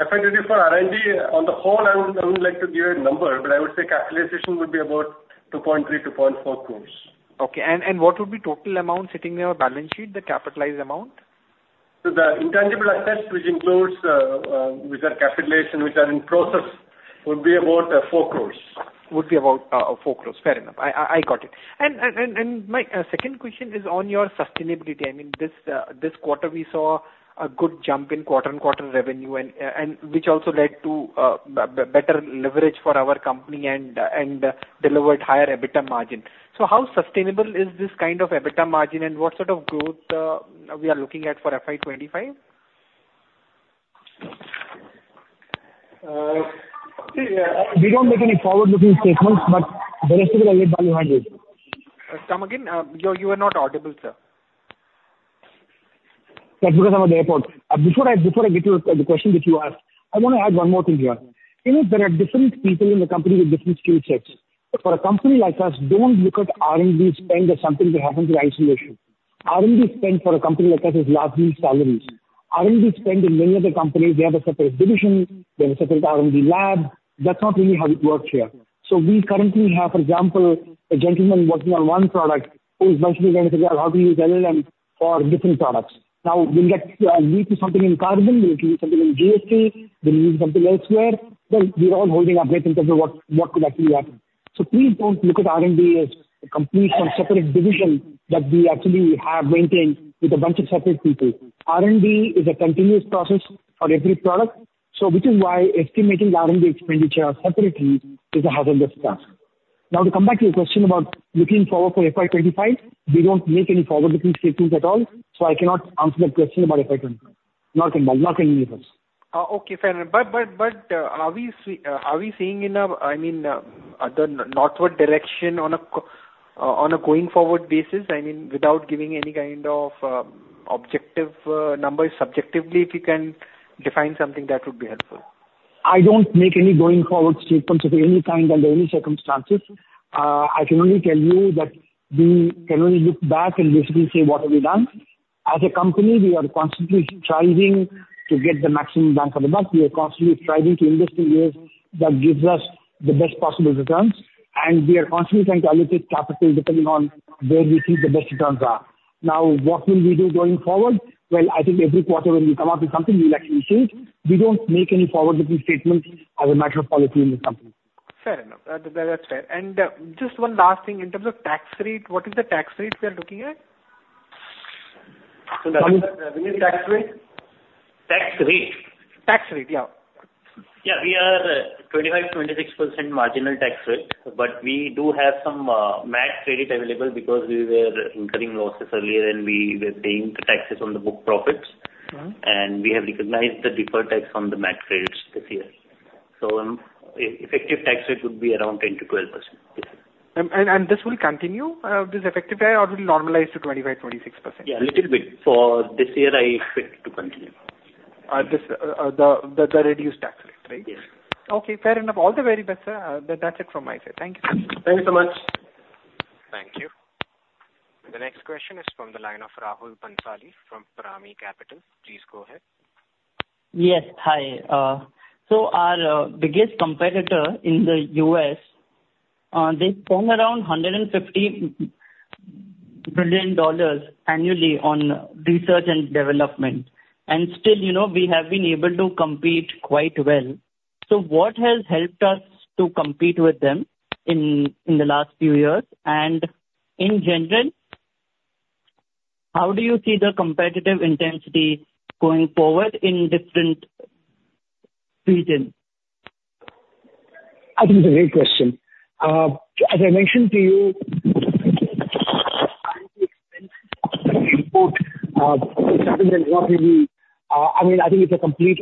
FY 2024 R&D, on the whole, I wouldn't like to give a number, but I would say capitalization would be about 2.3-2.4 crores. Okay. What would be total amount sitting in our balance sheet, the capitalized amount? The intangible assets, which includes, which are capitalization, which are in process, would be about 4 crore.... Would be about 4 crore. Fair enough. I got it. And my second question is on your sustainability. I mean, this quarter, we saw a good jump in quarter-on-quarter revenue, and better leverage for our company and delivered higher EBITDA margin. So how sustainable is this kind of EBITDA margin, and what sort of growth are we looking at for FY 2025? See, we don't make any forward-looking statements, but the rest of it, I'll let Balu handle. Come again? You are not audible, sir. That's because I'm at the airport. Before I get to the question that you asked, I wanna add one more thing here. You know, there are different people in the company with different skill sets. But for a company like us, don't look at R&D spend as something that happens in isolation. R&D spend for a company like us is largely salaries. R&D spend in many other companies, they have a separate division, they have a separate R&D lab. That's not really how it works here. So we currently have, for example, a gentleman working on one product who is basically gonna figure out how to use LLM for different products. Now, we get lead to something in carbon, we get lead to something in GST, they lead something elsewhere. Well, we are all holding our breath in terms of what could actually happen. So please don't look at R&D as a complete or separate division that we actually have maintained with a bunch of separate people. R&D is a continuous process for every product, so which is why estimating R&D expenditure separately is a hazardous task. Now, to come back to your question about looking forward for FY 25, we don't make any forward-looking statements at all, so I cannot answer that question about FY 25. Not in, not in any sense. Okay, fair enough. But, are we seeing, I mean, the northward direction on a going forward basis? I mean, without giving any kind of objective numbers, subjectively, if you can define something, that would be helpful. I don't make any going forward statements of any kind under any circumstances. I can only tell you that we can only look back and basically say: What have we done? As a company, we are constantly striving to get the maximum bang for the buck. We are constantly striving to invest in areas that gives us the best possible returns, and we are constantly trying to allocate capital depending on where we think the best returns are. Now, what will we do going forward? Well, I think every quarter when we come up with something, we'll actually change. We don't make any forward-looking statements as a matter of policy in the company. Fair enough. That, that's fair. And, just one last thing: in terms of tax rate, what is the tax rate we are looking at? That is the revenue tax rate? Tax rate. Tax rate, yeah. Yeah, we are 25%-26% marginal tax rate, but we do have some MAT credit available because we were incurring losses earlier, and we were paying the taxes on the book profits. Mm-hmm. We have recognized the deferred tax on the MAT credits this year. So, effective tax rate would be around 10%-12%. This will continue this effective rate, or it will normalize to 25%-26%? Yeah, a little bit. For this year, I expect it to continue. The reduced tax rate, right? Yes. Okay, fair enough. All the very best, sir. That's it from my side. Thank you. Thank you so much. Thank you. The next question is from the line of Rahul Bhangadia from Parami Capital. Please go ahead. Yes. Hi. So our biggest competitor in the US, they spend around $150 billion annually on research and development, and still, you know, we have been able to compete quite well. So what has helped us to compete with them in the last few years? And in general, how do you see the competitive intensity going forward in different regions? I think it's a great question. As I mentioned to you, I mean, I think it's a complete...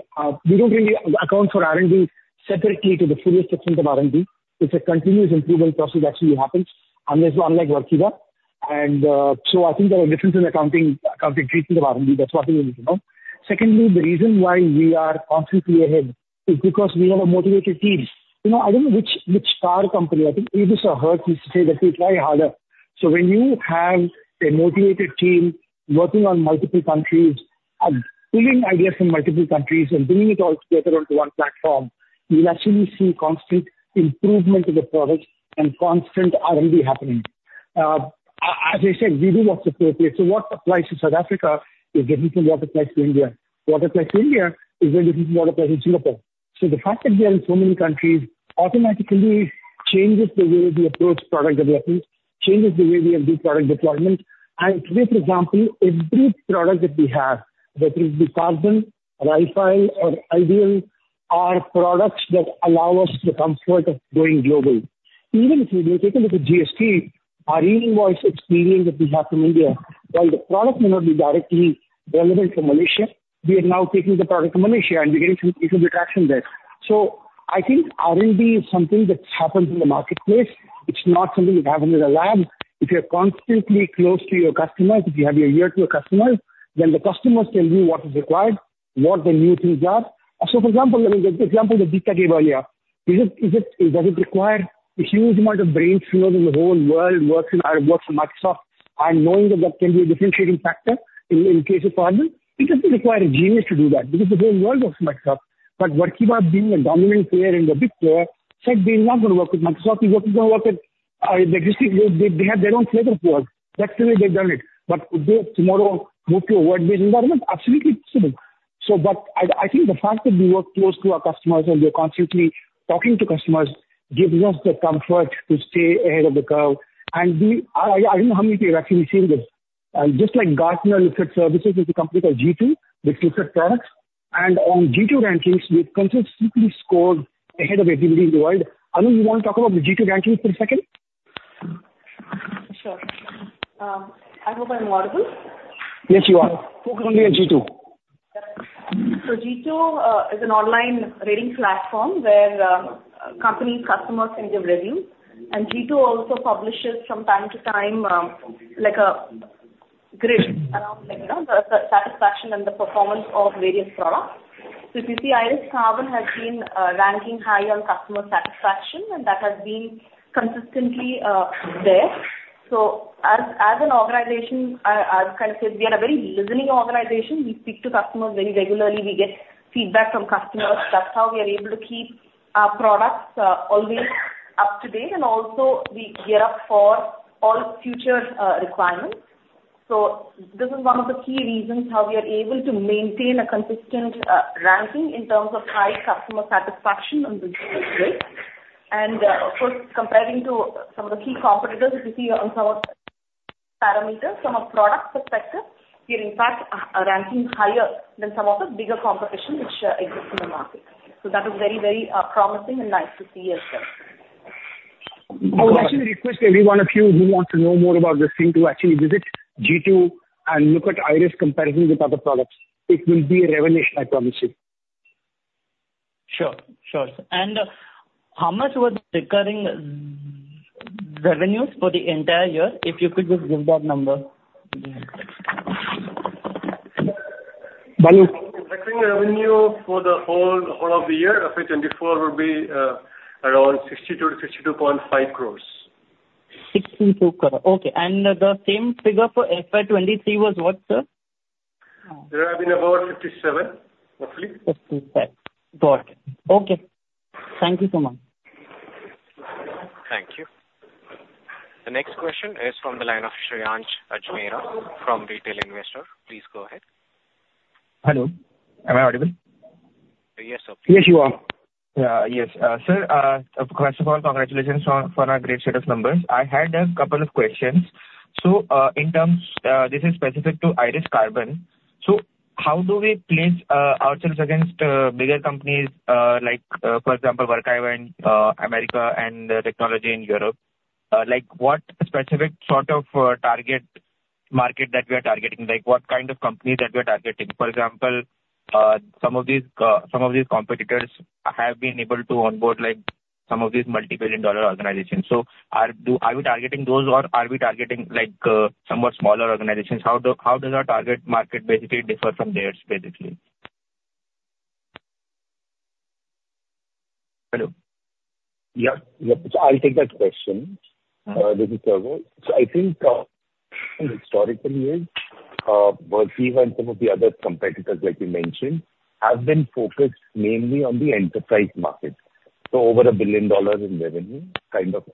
We don't really account for R&D separately to the fullest extent of R&D. It's a continuous improvement process that actually happens, unless, unlike Workiva. And so I think there are differences in accounting, accounting treatment of R&D. That's what we need to know. Secondly, the reason why we are constantly ahead is because we have a motivated team. You know, I don't know which, which car company, I think it is a Hertz who say that we try harder. So when you have a motivated team working on multiple countries and pulling ideas from multiple countries and bringing it all together onto one platform, you'll actually see constant improvement in the product and constant R&D happening. As I said, we do what's appropriate, so what applies to South Africa is different from what applies to India. What applies to India is very different from what applies in Singapore. So the fact that we are in so many countries automatically changes the way we approach product development, changes the way we do product deployment. And take, for example, every product that we have, whether it be Carbon, Silk or iDEAL, are products that allow us the comfort of going global. Even if you take a look at GST, our e-invoice experience that we have in India, while the product may not be directly relevant for Malaysia, we are now taking the product to Malaysia, and we're getting some traction there. So I think R&D is something that happens in the marketplace. It's not something that happens in a lab. If you're constantly close to your customers, if you have your ear to your customers, then the customers tell you what is required, what the new things are. So for example, I mean, the example that Deepta gave earlier, is it, does it require a huge amount of brainpower in the whole world works in works in Microsoft and knowing that that can be a differentiating factor in case of carbon? It doesn't require a genius to do that, because the whole world works in Microsoft. But Workiva being a dominant player and a big player, said, "We are not gonna work with Microsoft. We're gonna work with Registries." They have their own flavor for us. Actually, they've done it. But could they tomorrow move to a web-based environment? Absolutely possible. So but I, I think the fact that we work close to our customers and we are constantly talking to customers, gives us the comfort to stay ahead of the curve. And we—I, I don't know how many of you have actually seen this. Just like Gartner looks at services, there's a company called G2, which looks at products. And on G2 rankings, we've consistently scored ahead of everybody in the world. Anu, you want to talk about the G2 rankings for a second? Sure. I hope I'm audible. Yes, you are. Focus only on G2. So G2 is an online rating platform, where company customers can give reviews, and G2 also publishes from time to time, like a grid around, like, you know, the satisfaction and the performance of various products. So if you see IRIS Carbon has been ranking high on customer satisfaction, and that has been consistently there. So as an organization, as Kan said, we are a very listening organization. We speak to customers very regularly. We get feedback from customers. That's how we are able to keep our products always up to date, and also we gear up for all future requirements. So this is one of the key reasons how we are able to maintain a consistent ranking in terms of high customer satisfaction on G2. Of course, comparing to some of the key competitors, if you see on some of parameters from a product perspective, we are in fact, ranking higher than some of the bigger competition which exists in the market. So that is very, very, promising and nice to see as well. I would actually request every one of you who wants to know more about this thing, to actually visit G2 and look at IRIS comparison with other products. It will be a revelation, I promise you. Sure, sure. And, how much was the recurring revenues for the entire year? If you could just give that number. Bali? Revenue for the whole of the year, FY 2024, would be around 60-62.5 crores. 62 crore. Okay, and the same figure for FY 2023 was what, sir? There have been about 57, roughly. 57. Got it. Okay. Thank you so much. Thank you. The next question is from the line of Shreyansh Ajmera from retail investor. Please go ahead. Hello, am I audible? Yes, sir. Yes, you are. Yes. Sir, first of all, congratulations on, for our great set of numbers. I had a couple of questions. So, in terms, this is specific to IRIS Carbon. So how do we place, ourselves against, bigger companies, like, for example, Workiva in, America and Tagetik in Europe? Like, what specific sort of, target market that we are targeting? Like, what kind of company that we are targeting? For example, some of these, some of these competitors have been able to onboard, like, some of these multi-billion dollar organizations. So are, do, are we targeting those, or are we targeting, like, somewhat smaller organizations? How do, how does our target market basically differ from theirs, basically? Hello. Yeah, yep. So I'll take that question. This is Raghav. So I think, historically, Workiva and some of the other competitors, like you mentioned, have been focused mainly on the enterprise market, so over $1 billion in revenue, kind of,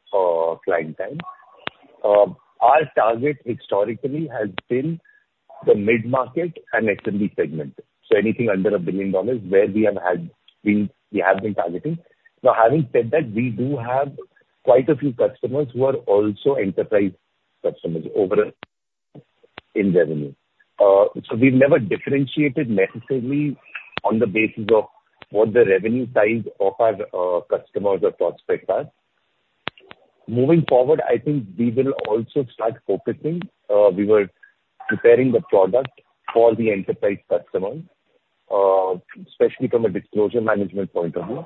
client base. Our target historically has been the mid-market and SMB segment, so anything under $1 billion where we have had been, we have been targeting. Now, having said that, we do have quite a few customers who are also enterprise customers over in revenue. So we've never differentiated necessarily on the basis of what the revenue size of our, customers or prospects are. Moving forward, I think we will also start focusing, we were preparing the product for the enterprise customer, especially from a disclosure management point of view.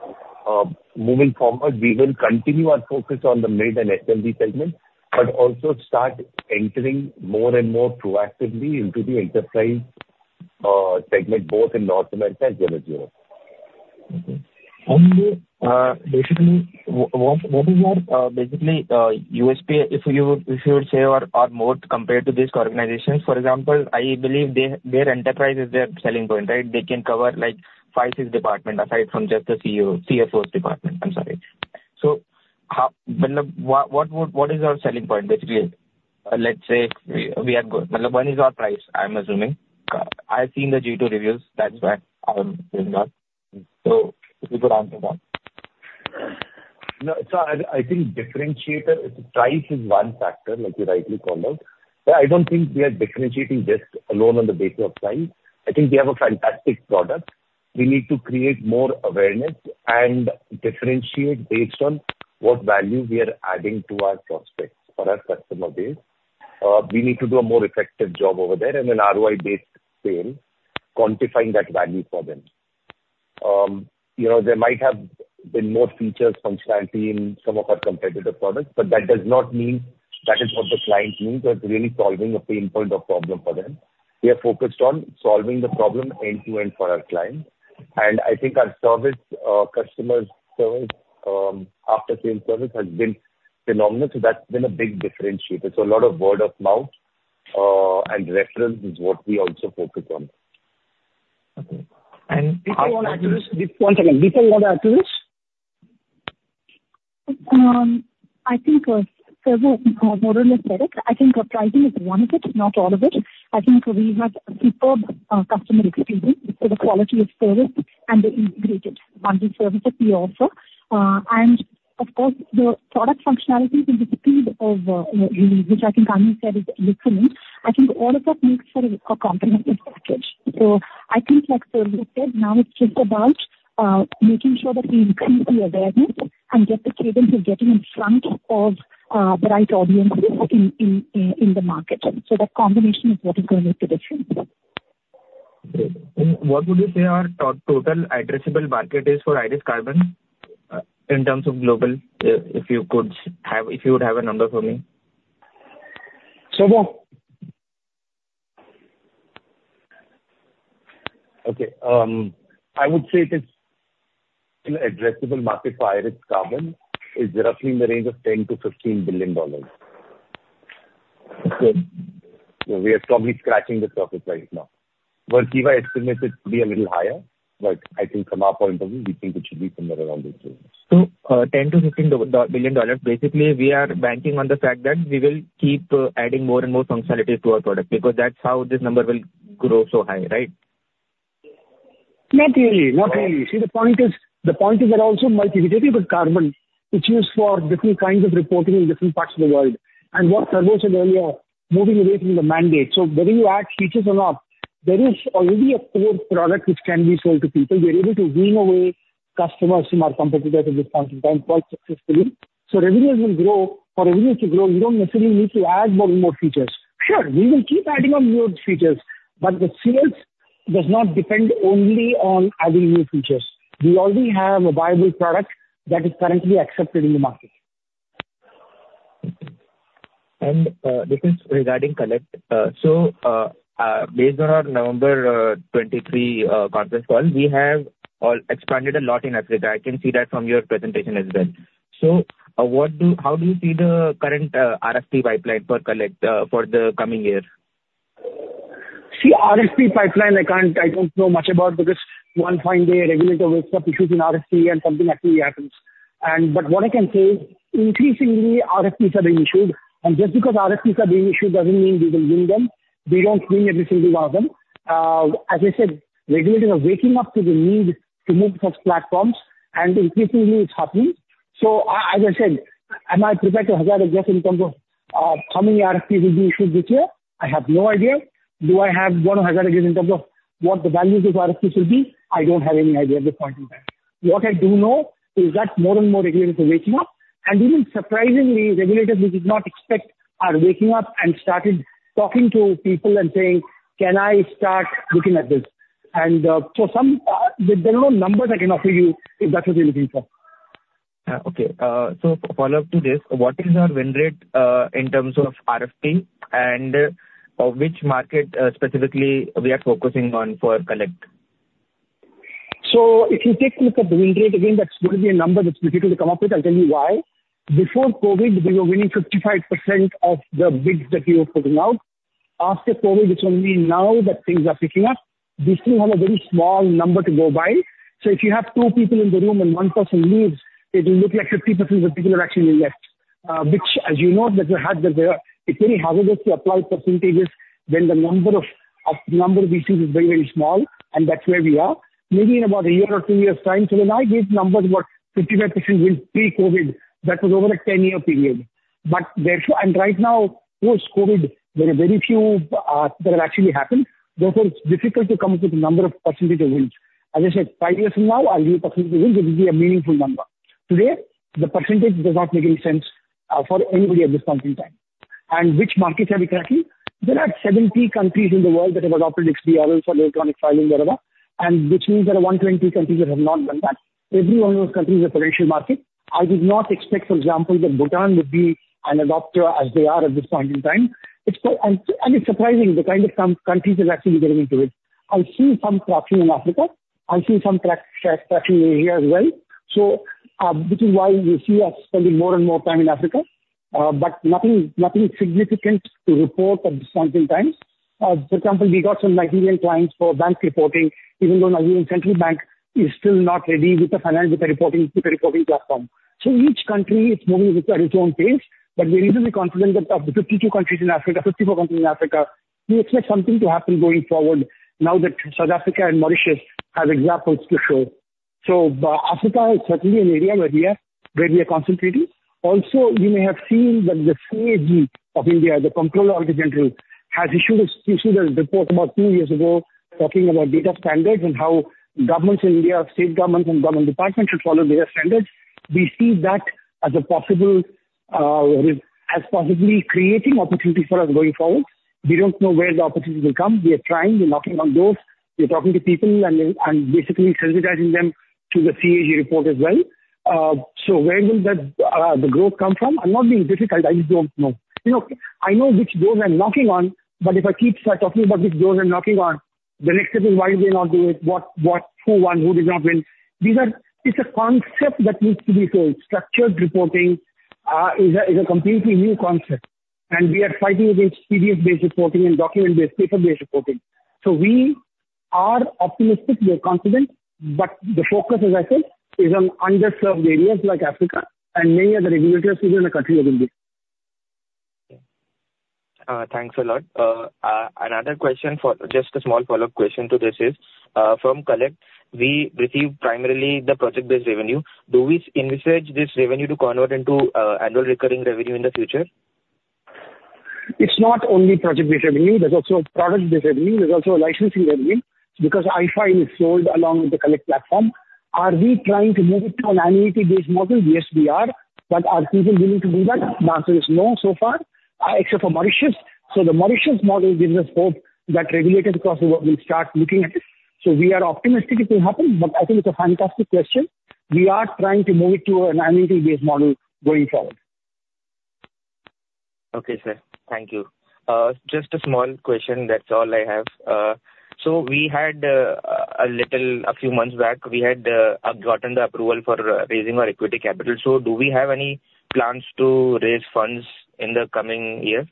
Moving forward, we will continue our focus on the mid and SMB segment, but also start entering more and more proactively into the enterprise segment, both in North America as well as Europe. Okay. And, basically, what is your basically USP, if you would say, or more compared to these organizations? For example, I believe their enterprise is their selling point, right? They can cover, like, five, six department aside from just the CEO, CFO's department. I'm sorry. So, well, what is your selling point basically? Let's say we are good. One is our price, I'm assuming. I've seen the G2 reviews. That's why I'm saying that. So if you could answer that. No, so I think differentiator, price is one factor, like you rightly called out. But I don't think we are differentiating just alone on the basis of price. I think we have a fantastic product. We need to create more awareness and differentiate based on what value we are adding to our prospects or our customer base. We need to do a more effective job over there, and an ROI-based sale, quantifying that value for them. You know, there might have been more features, functionality in some of our competitive products, but that does not mean that is what the client needs, or it's really solving a pain point or problem for them. We are focused on solving the problem end-to-end for our clients, and I think our service, customer service, after sales service, has been phenomenal, so that's been a big differentiator. A lot of word of mouth, and reference is what we also focus on. Okay. And- Before you want to address this... One second. Before you want to address?... I think, so, more or less, Eric, I think our pricing is one of it, not all of it. I think we have a superb customer experience, so the quality of service and the integrated bundled services we offer. And of course, the product functionality and the speed of release, which I think Anu said, is different. I think all of that makes for a comprehensive package. So I think like Santosh said, now it's just about making sure that we increase the awareness and get the cadence of getting in front of the right audiences in the market. So that combination is what is going to make the difference. Great. And what would you say our total addressable market is for IRIS Carbon, in terms of global? If you could have, if you would have a number for me. Sarvesh? Okay. I would say it is an addressable market for IRIS Carbon is roughly in the range of $10 billion-$15 billion. So we are probably scratching the surface right now. Workiva estimates it to be a little higher, but I think from our point of view, we think it should be somewhere around this range. So, $10-$15 billion. Basically, we are banking on the fact that we will keep adding more and more functionality to our product, because that's how this number will grow so high, right? Not really, not really. See, the point is, the point is that also multi-jurisdictional with Carbon, it's used for different kinds of reporting in different parts of the world. And what Sarvesh said earlier, moving away from the mandate. So whether you add features or not, there is already a core product which can be sold to people. We are able to wean away customers from our competitors at this point in time, quite successfully. So revenues will grow. For revenues to grow, we don't necessarily need to add more and more features. Sure, we will keep adding on more features, but the sales does not depend only on adding new features. We already have a viable product that is currently accepted in the market. This is regarding Collect. So, based on our November 2023 conference call, we have expanded a lot in Africa. I can see that from your presentation as well. So, how do you see the current RFP pipeline for Collect for the coming year? See, RFP pipeline, I can't—I don't know much about, because one fine day, a regulator wakes up, issues an RFP, and something actually happens. But what I can say, increasingly RFPs are being issued, and just because RFPs are being issued doesn't mean we will win them. We don't win every single one of them. As I said, regulators are waking up to the need to move such platforms, and increasingly it's happening. As I said, am I prepared to hazard a guess in terms of, how many RFPs will be issued this year? I have no idea. Do I have one hazard guess in terms of what the value of those RFPs will be? I don't have any idea at this point in time. What I do know is that more and more regulators are waking up, and even surprisingly, regulators we did not expect are waking up and started talking to people and saying, "Can I start looking at this?" And, so some, there are no numbers I can offer you, if that's what you're looking for. Okay. So a follow-up to this, what is our win rate in terms of RFP, and which market specifically we are focusing on for Collect? So if you take a look at the win rate, again, that's going to be a number that's difficult to come up with. I'll tell you why. Before COVID, we were winning 55% of the bids that we were putting out. After COVID, which only now that things are picking up, we still have a very small number to go by. So if you have two people in the room and one person leaves, it will look like 50% of the people have actually left, which as you know, it's very hazardous to apply percentages when the number we see is very, very small, and that's where we are. Maybe in about a year or two years' time, so when I give numbers about 55% wins pre-COVID, that was over a 10-year period. But therefore, and right now, post-COVID, there are very few that will actually happen. Therefore, it's difficult to come up with a number of percentage of wins. As I said, five years from now, our new percentage of wins, it will be a meaningful number. Today, the percentage does not make any sense for anybody at this point in time. And which markets are we tracking? There are 70 countries in the world that have adopted XBRL for their electronic filing, whatever, and which means there are 120 countries that have not done that. Every one of those countries is a potential market. I did not expect, for example, that Bhutan would be an adopter, as they are at this point in time. It's so... And it's surprising, the kind of countries that are actually getting into it. I see some traction in Africa. I see some traction in here as well. So, this is why you see us spending more and more time in Africa, but nothing significant to report at this point in time. For example, we got some Nigerian clients for banks reporting, even though Nigerian Central Bank is still not ready with the financial reporting, with the reporting platform. So each country is moving at its own pace, but we are reasonably confident that of the 52 countries in Africa, 54 countries in Africa, we expect something to happen going forward now that South Africa and Mauritius have examples to show. So, Africa is certainly an area where we are concentrating. Also, you may have seen that the CAG of India, the Comptroller and Auditor General, has issued a report about two years ago talking about data standards and how governments in India, state governments and government departments should follow data standards. We see that as a possible, as possibly creating opportunities for us going forward. We don't know where the opportunities will come. We are trying, we're knocking on doors, we're talking to people and, and basically sensitizing them to the CAG report as well. So where will that, the growth come from? I'm not being difficult, I just don't know. You know, I know which doors I'm knocking on, but if I keep start talking about which doors I'm knocking on, the next step is why are we not doing it? What, what, who won, who did not win? These are... It's a concept that needs to be sold. Structured reporting is a completely new concept, and we are fighting against PDF-based reporting and document-based, paper-based reporting. So we are optimistic, we are confident, but the focus, as I said, is on underserved areas like Africa and many other regulators even in the country are in this. Thanks a lot. Another question for—just a small follow-up question to this is, from Collect, we receive primarily the project-based revenue. Do we envisage this revenue to convert into annual recurring revenue in the future? It's not only project-based revenue, there's also a product-based revenue, there's also a licensing revenue, because I find it's sold along with the Collect platform. Are we trying to move it to an annuity-based model? Yes, we are. But are people willing to do that? The answer is no, so far, except for Mauritius. So the Mauritius model gives us hope that regulators across the world will start looking at it. So we are optimistic it will happen, but I think it's a fantastic question. We are trying to move it to an annuity-based model going forward. Okay, sir. Thank you. Just a small question, that's all I have. So, a few months back, we had gotten the approval for raising our equity capital. So do we have any plans to raise funds in the coming year?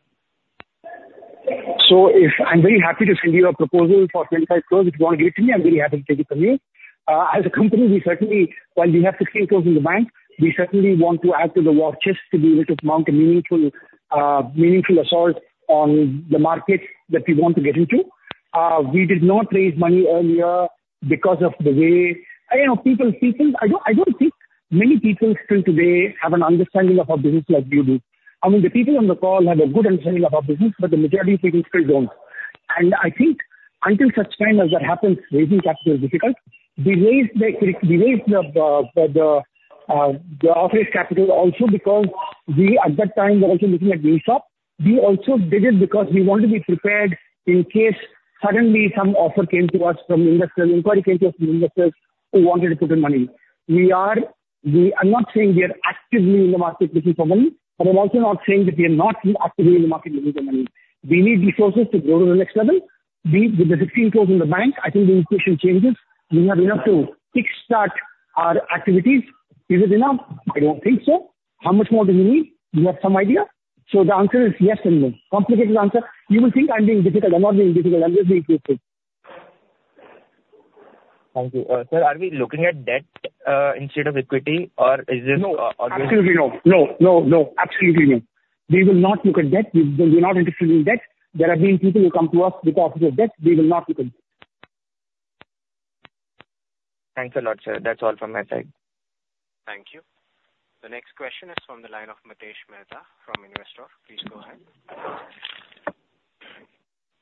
So if I'm very happy to send you a proposal for 25 crore. If you want to give to me, I'm very happy to take it from you. As a company, we certainly, while we have 16 crore in the bank, we certainly want to add to the war chest to be able to mount a meaningful assault on the markets that we want to get into. We did not raise money earlier because of the way, you know, people, I don't think many people still today have an understanding of our business like you do. I mean, the people on the call have a good understanding of our business, but the majority of people still don't. And I think until such time as that happens, raising capital is difficult. We raised the operating capital also because we, at that time, were also looking at the shop. We also did it because we want to be prepared in case suddenly some offer came to us from investors, inquiry came to us from investors who wanted to put in money. I'm not saying we are actively in the market looking for money, but I'm also not saying that we are not actively in the market looking for money. We need resources to go to the next level. We, with the 16 crore in the bank, I think the equation changes. We have enough to kickstart our activities. Is it enough? I don't think so. How much more do we need? We have some idea. So the answer is yes and no. Complicated answer. You will think I'm being difficult. I'm not being difficult, I'm just being realistic. Thank you. Sir, are we looking at debt instead of equity, or is this- No. Absolutely no. No, no, no, absolutely no. We will not look at debt. We, we're not interested in debt. There have been people who come to us with offers of debt. We will not look at it. Thanks a lot, sir. That's all from my side. Thank you. The next question is from the line of Mitesh Mehta from Investor. Please go ahead.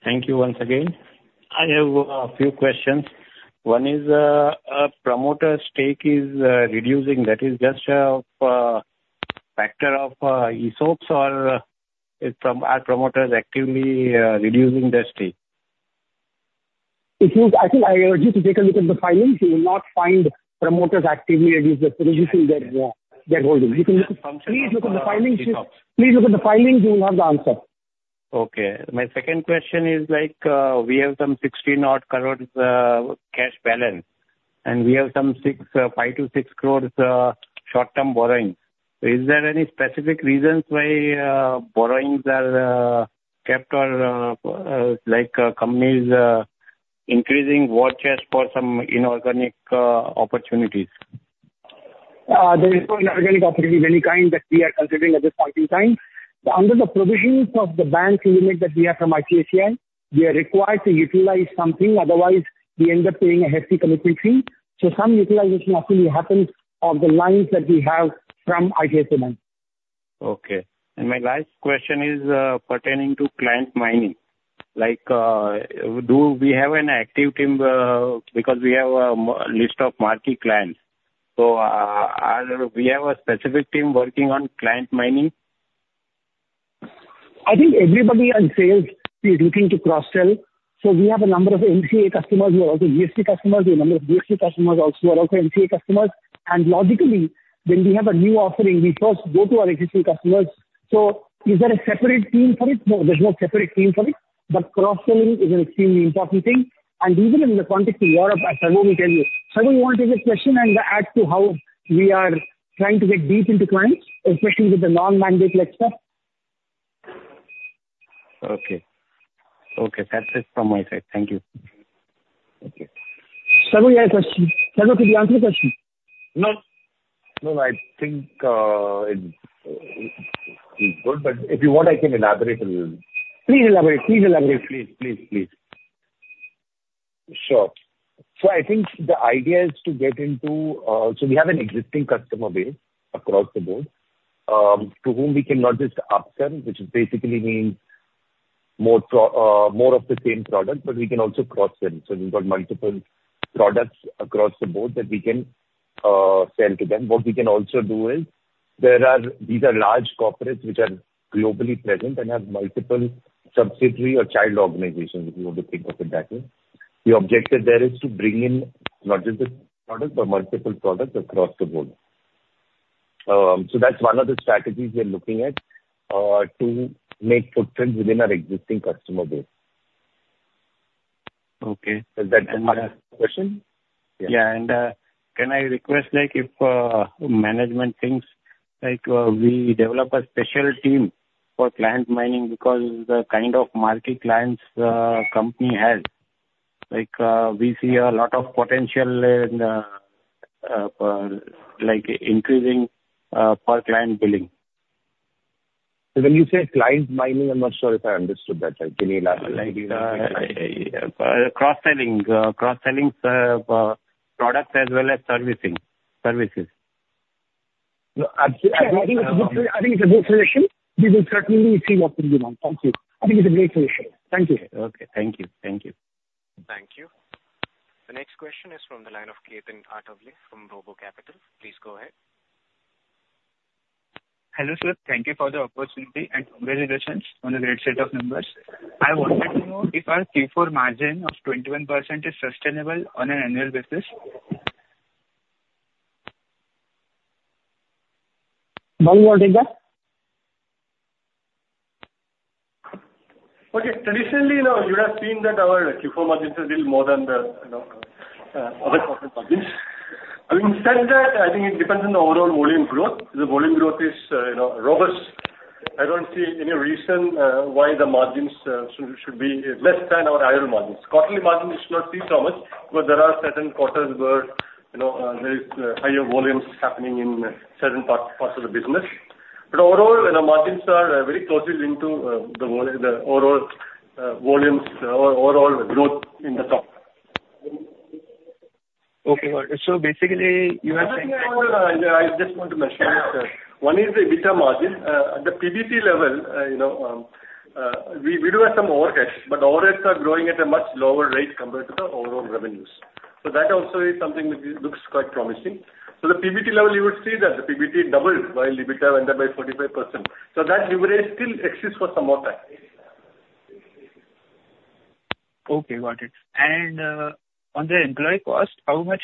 Thank you once again. I have a few questions. One is, promoter stake is reducing. That is just factor of ESOPs or is from our promoters actively reducing their stake? It is. I think I urge you to take a look at the filings. You will not find promoters actively reducing their, their holdings. function of Please look at the filings. Please look at the filings, you will have the answer. Okay. My second question is like, we have some 16 odd crores cash balance, and we have some 5-6 crores short-term borrowings. Is there any specific reasons why borrowings are kept or like companies increasing war chest for some inorganic opportunities? There is no inorganic opportunity of any kind that we are considering at this point in time. Under the provisions of the bank limit that we have from ICICI, we are required to utilize something, otherwise we end up paying a hefty penalty fee. So some utilization actually happens on the lines that we have from ICICI Bank. Okay. My last question is pertaining to client mining. Like, do we have an active team, because we have a list of marquee clients. So, do we have a specific team working on client mining? I think everybody in sales is looking to cross-sell, so we have a number of MCA customers who are also GST customers. We have a number of GST customers who are also MCA customers. And logically, when we have a new offering, we first go to our existing customers. So, is there a separate team for it? No, there's no separate team for it, but cross-selling is an extremely important thing, and even in the context of Europe, as Simon will tell you. Simon, you want to take a question and add to how we are trying to get deep into clients, especially with the non-mandate sector? Okay. Okay, that's it from my side. Thank you. Thank you. Simon, you have a question? Simon, did you answer the question? No. No, I think it is good, but if you want, I can elaborate a little. Please elaborate. Please elaborate. Please, please, please. Sure. So I think the idea is to get into, so we have an existing customer base across the board, to whom we can not just upsell, which basically means more of the same product, but we can also cross-sell. So we've got multiple products across the board that we can sell to them. What we can also do is, there are these large corporates which are globally present and have multiple subsidiary or child organizations, if you want to think of it that way. The objective there is to bring in not just the product, but multiple products across the board. So that's one of the strategies we are looking at, to make footprints within our existing customer base. Okay. Does that answer your question?... Yeah, and, can I request, like, if management thinks, like, we develop a special team for client mining, because the kind of market clients company has, like, we see a lot of potential in, like, increasing per client billing. When you say client mining, I'm not sure if I understood that right. Can you elaborate? Like, cross-selling. Cross-selling products as well as servicing services. Well, I think it's a good solution. I think it's a good solution. We will certainly team up with you on. Thank you. I think it's a great solution. Thank you. Okay. Thank you. Thank you. Thank you. The next question is from the line of Ketan Athavale from Robo Capital. Please go ahead. Hello, sir. Thank you for the opportunity, and congratulations on the great set of numbers. I wanted to know if our Q4 margin of 21% is sustainable on an annual basis? Bali, you want to take that? Okay. Traditionally, now, you would have seen that our Q4 margins is little more than the, you know, other quarter margins. I mean, said that, I think it depends on the overall volume growth. The volume growth is, you know, robust. I don't see any reason, why the margins, should be less than our higher margins. Quarterly margins should not see so much, but there are certain quarters where, you know, there is, higher volumes happening in certain parts of the business. But overall, you know, margins are, very closely linked to, the overall volumes or overall growth in the top. Okay, got it. So basically, you are saying- I just want to mention, one is the EBITDA margin. At the PBT level, you know, we do have some overhead, but overheads are growing at a much lower rate compared to the overall revenues. So that also is something that looks quite promising. So the PBT level, you would see that the PBT doubled, while EBITDA went up by 45%. So that leverage still exists for some more time. Okay, got it. And, on the employee cost, how much,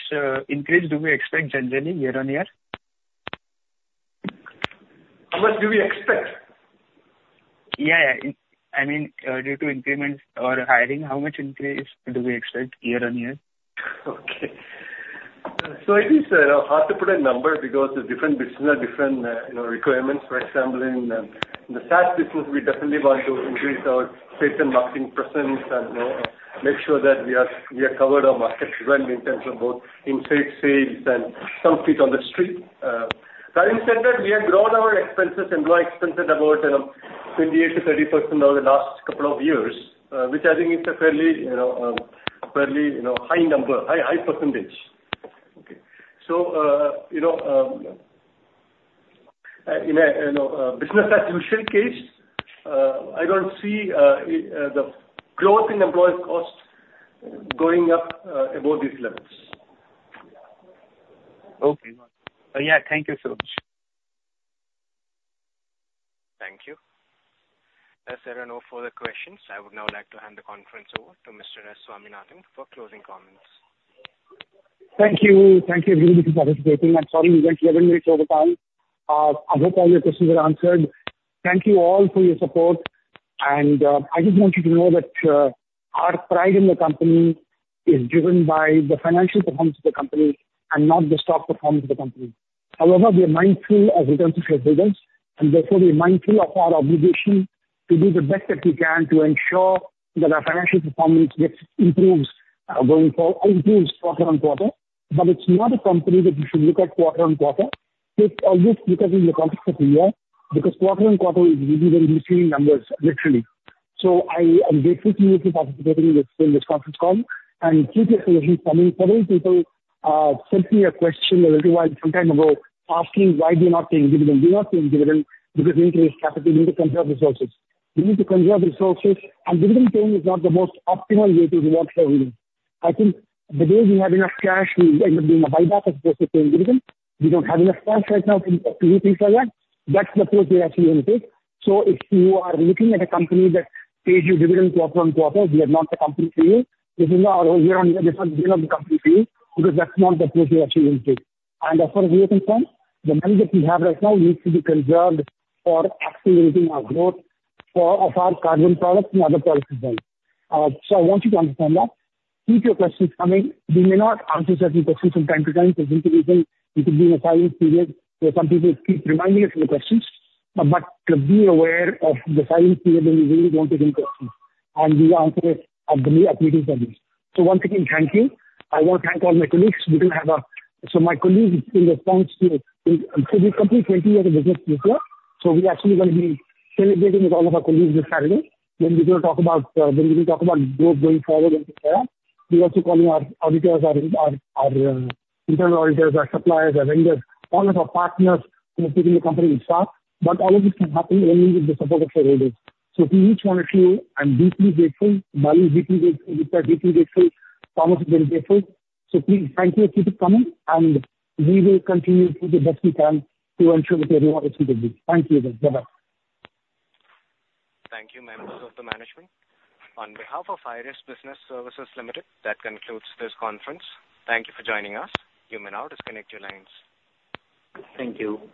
increase do we expect generally year-on-year? How much do we expect? Yeah, yeah. I mean, due to increments or hiring, how much increase do we expect year-on-year? Okay. So it is hard to put a number because it's different business, different, you know, requirements. For example, in the SaaS business, we definitely want to increase our sales and marketing presence and, you know, make sure that we are covered our markets well in terms of both in-sales sales and some feet on the street. That being said, that we have grown our expenses, employee expenses, about, you know, 28%-30% over the last couple of years, which I think is a fairly, you know, fairly, you know, high number, high percentage. Okay. So, you know, in a business as usual case, I don't see the growth in employee cost going up above these levels. Okay. Yeah. Thank you so much. Thank you. As there are no further questions, I would now like to hand the conference over to Mr. S. Swaminathan for closing comments. Thank you. Thank you, everybody, for participating. I'm sorry we went 11 minutes over time. I hope all your questions were answered. Thank you all for your support. And, I just want you to know that, our pride in the company is driven by the financial performance of the company and not the stock performance of the company. However, we are mindful as we in terms of shareholders, and therefore we are mindful of our obligation to do the best that we can to ensure that our financial performance gets improved, going forward, improves quarter on quarter. But it's not a company that you should look at quarter on quarter. It's always look at it in the context of the year, because quarter on quarter is really very misleading numbers, literally. So I am grateful to you for participating in this, in this conference call. Keep your questions coming. Several people sent me a question a little while, some time ago, asking: Why we are not paying dividend? We are not paying dividend because we increase capital. We need to conserve resources. We need to conserve resources, and dividend paying is not the most optimal way to reward shareholders. I think the day we have enough cash, we end up doing a buyback as opposed to paying dividend. We don't have enough cash right now to do things like that. That's the approach we actually want to take. So if you are looking at a company that pays you dividend quarter on quarter, we are not the company for you. This is not our year-on-year, this is not the company for you, because that's not the approach we are actually going to take. As far as we are concerned, the money that we have right now needs to be conserved for accelerating our growth for, of our carbon products and other products as well. So I want you to understand that. Keep your questions coming. We may not answer certain questions from time to time, for simple reason, we could be in a silent period, where some people keep reminding us of the questions. But be aware of the silent period when we really want to bring questions, and we answer it at the new admitting premise. So once again, thank you. I want to thank all my colleagues. So my colleagues, in response to, so we complete 20 years of business this year. So we are actually going to be celebrating with all of our colleagues this Saturday, when we're going to talk about, when we will talk about growth going forward and things there. We want to thank all our internal auditors, our suppliers, our vendors, all of our partners who are taking the company with staff. But all of this can happen only with the support of shareholders. So to each one of you, I'm deeply grateful. Bali, deeply grateful. Deepta, deeply grateful. Thomas, deeply grateful. So please, thank you, and keep it coming, and we will continue to do the best we can to ensure that everyone is with us. Thank you, everyone. Bye-bye. Thank you, members of the management. On behalf of IRIS Business Services Limited, that concludes this conference. Thank you for joining us. You may now disconnect your lines. Thank you.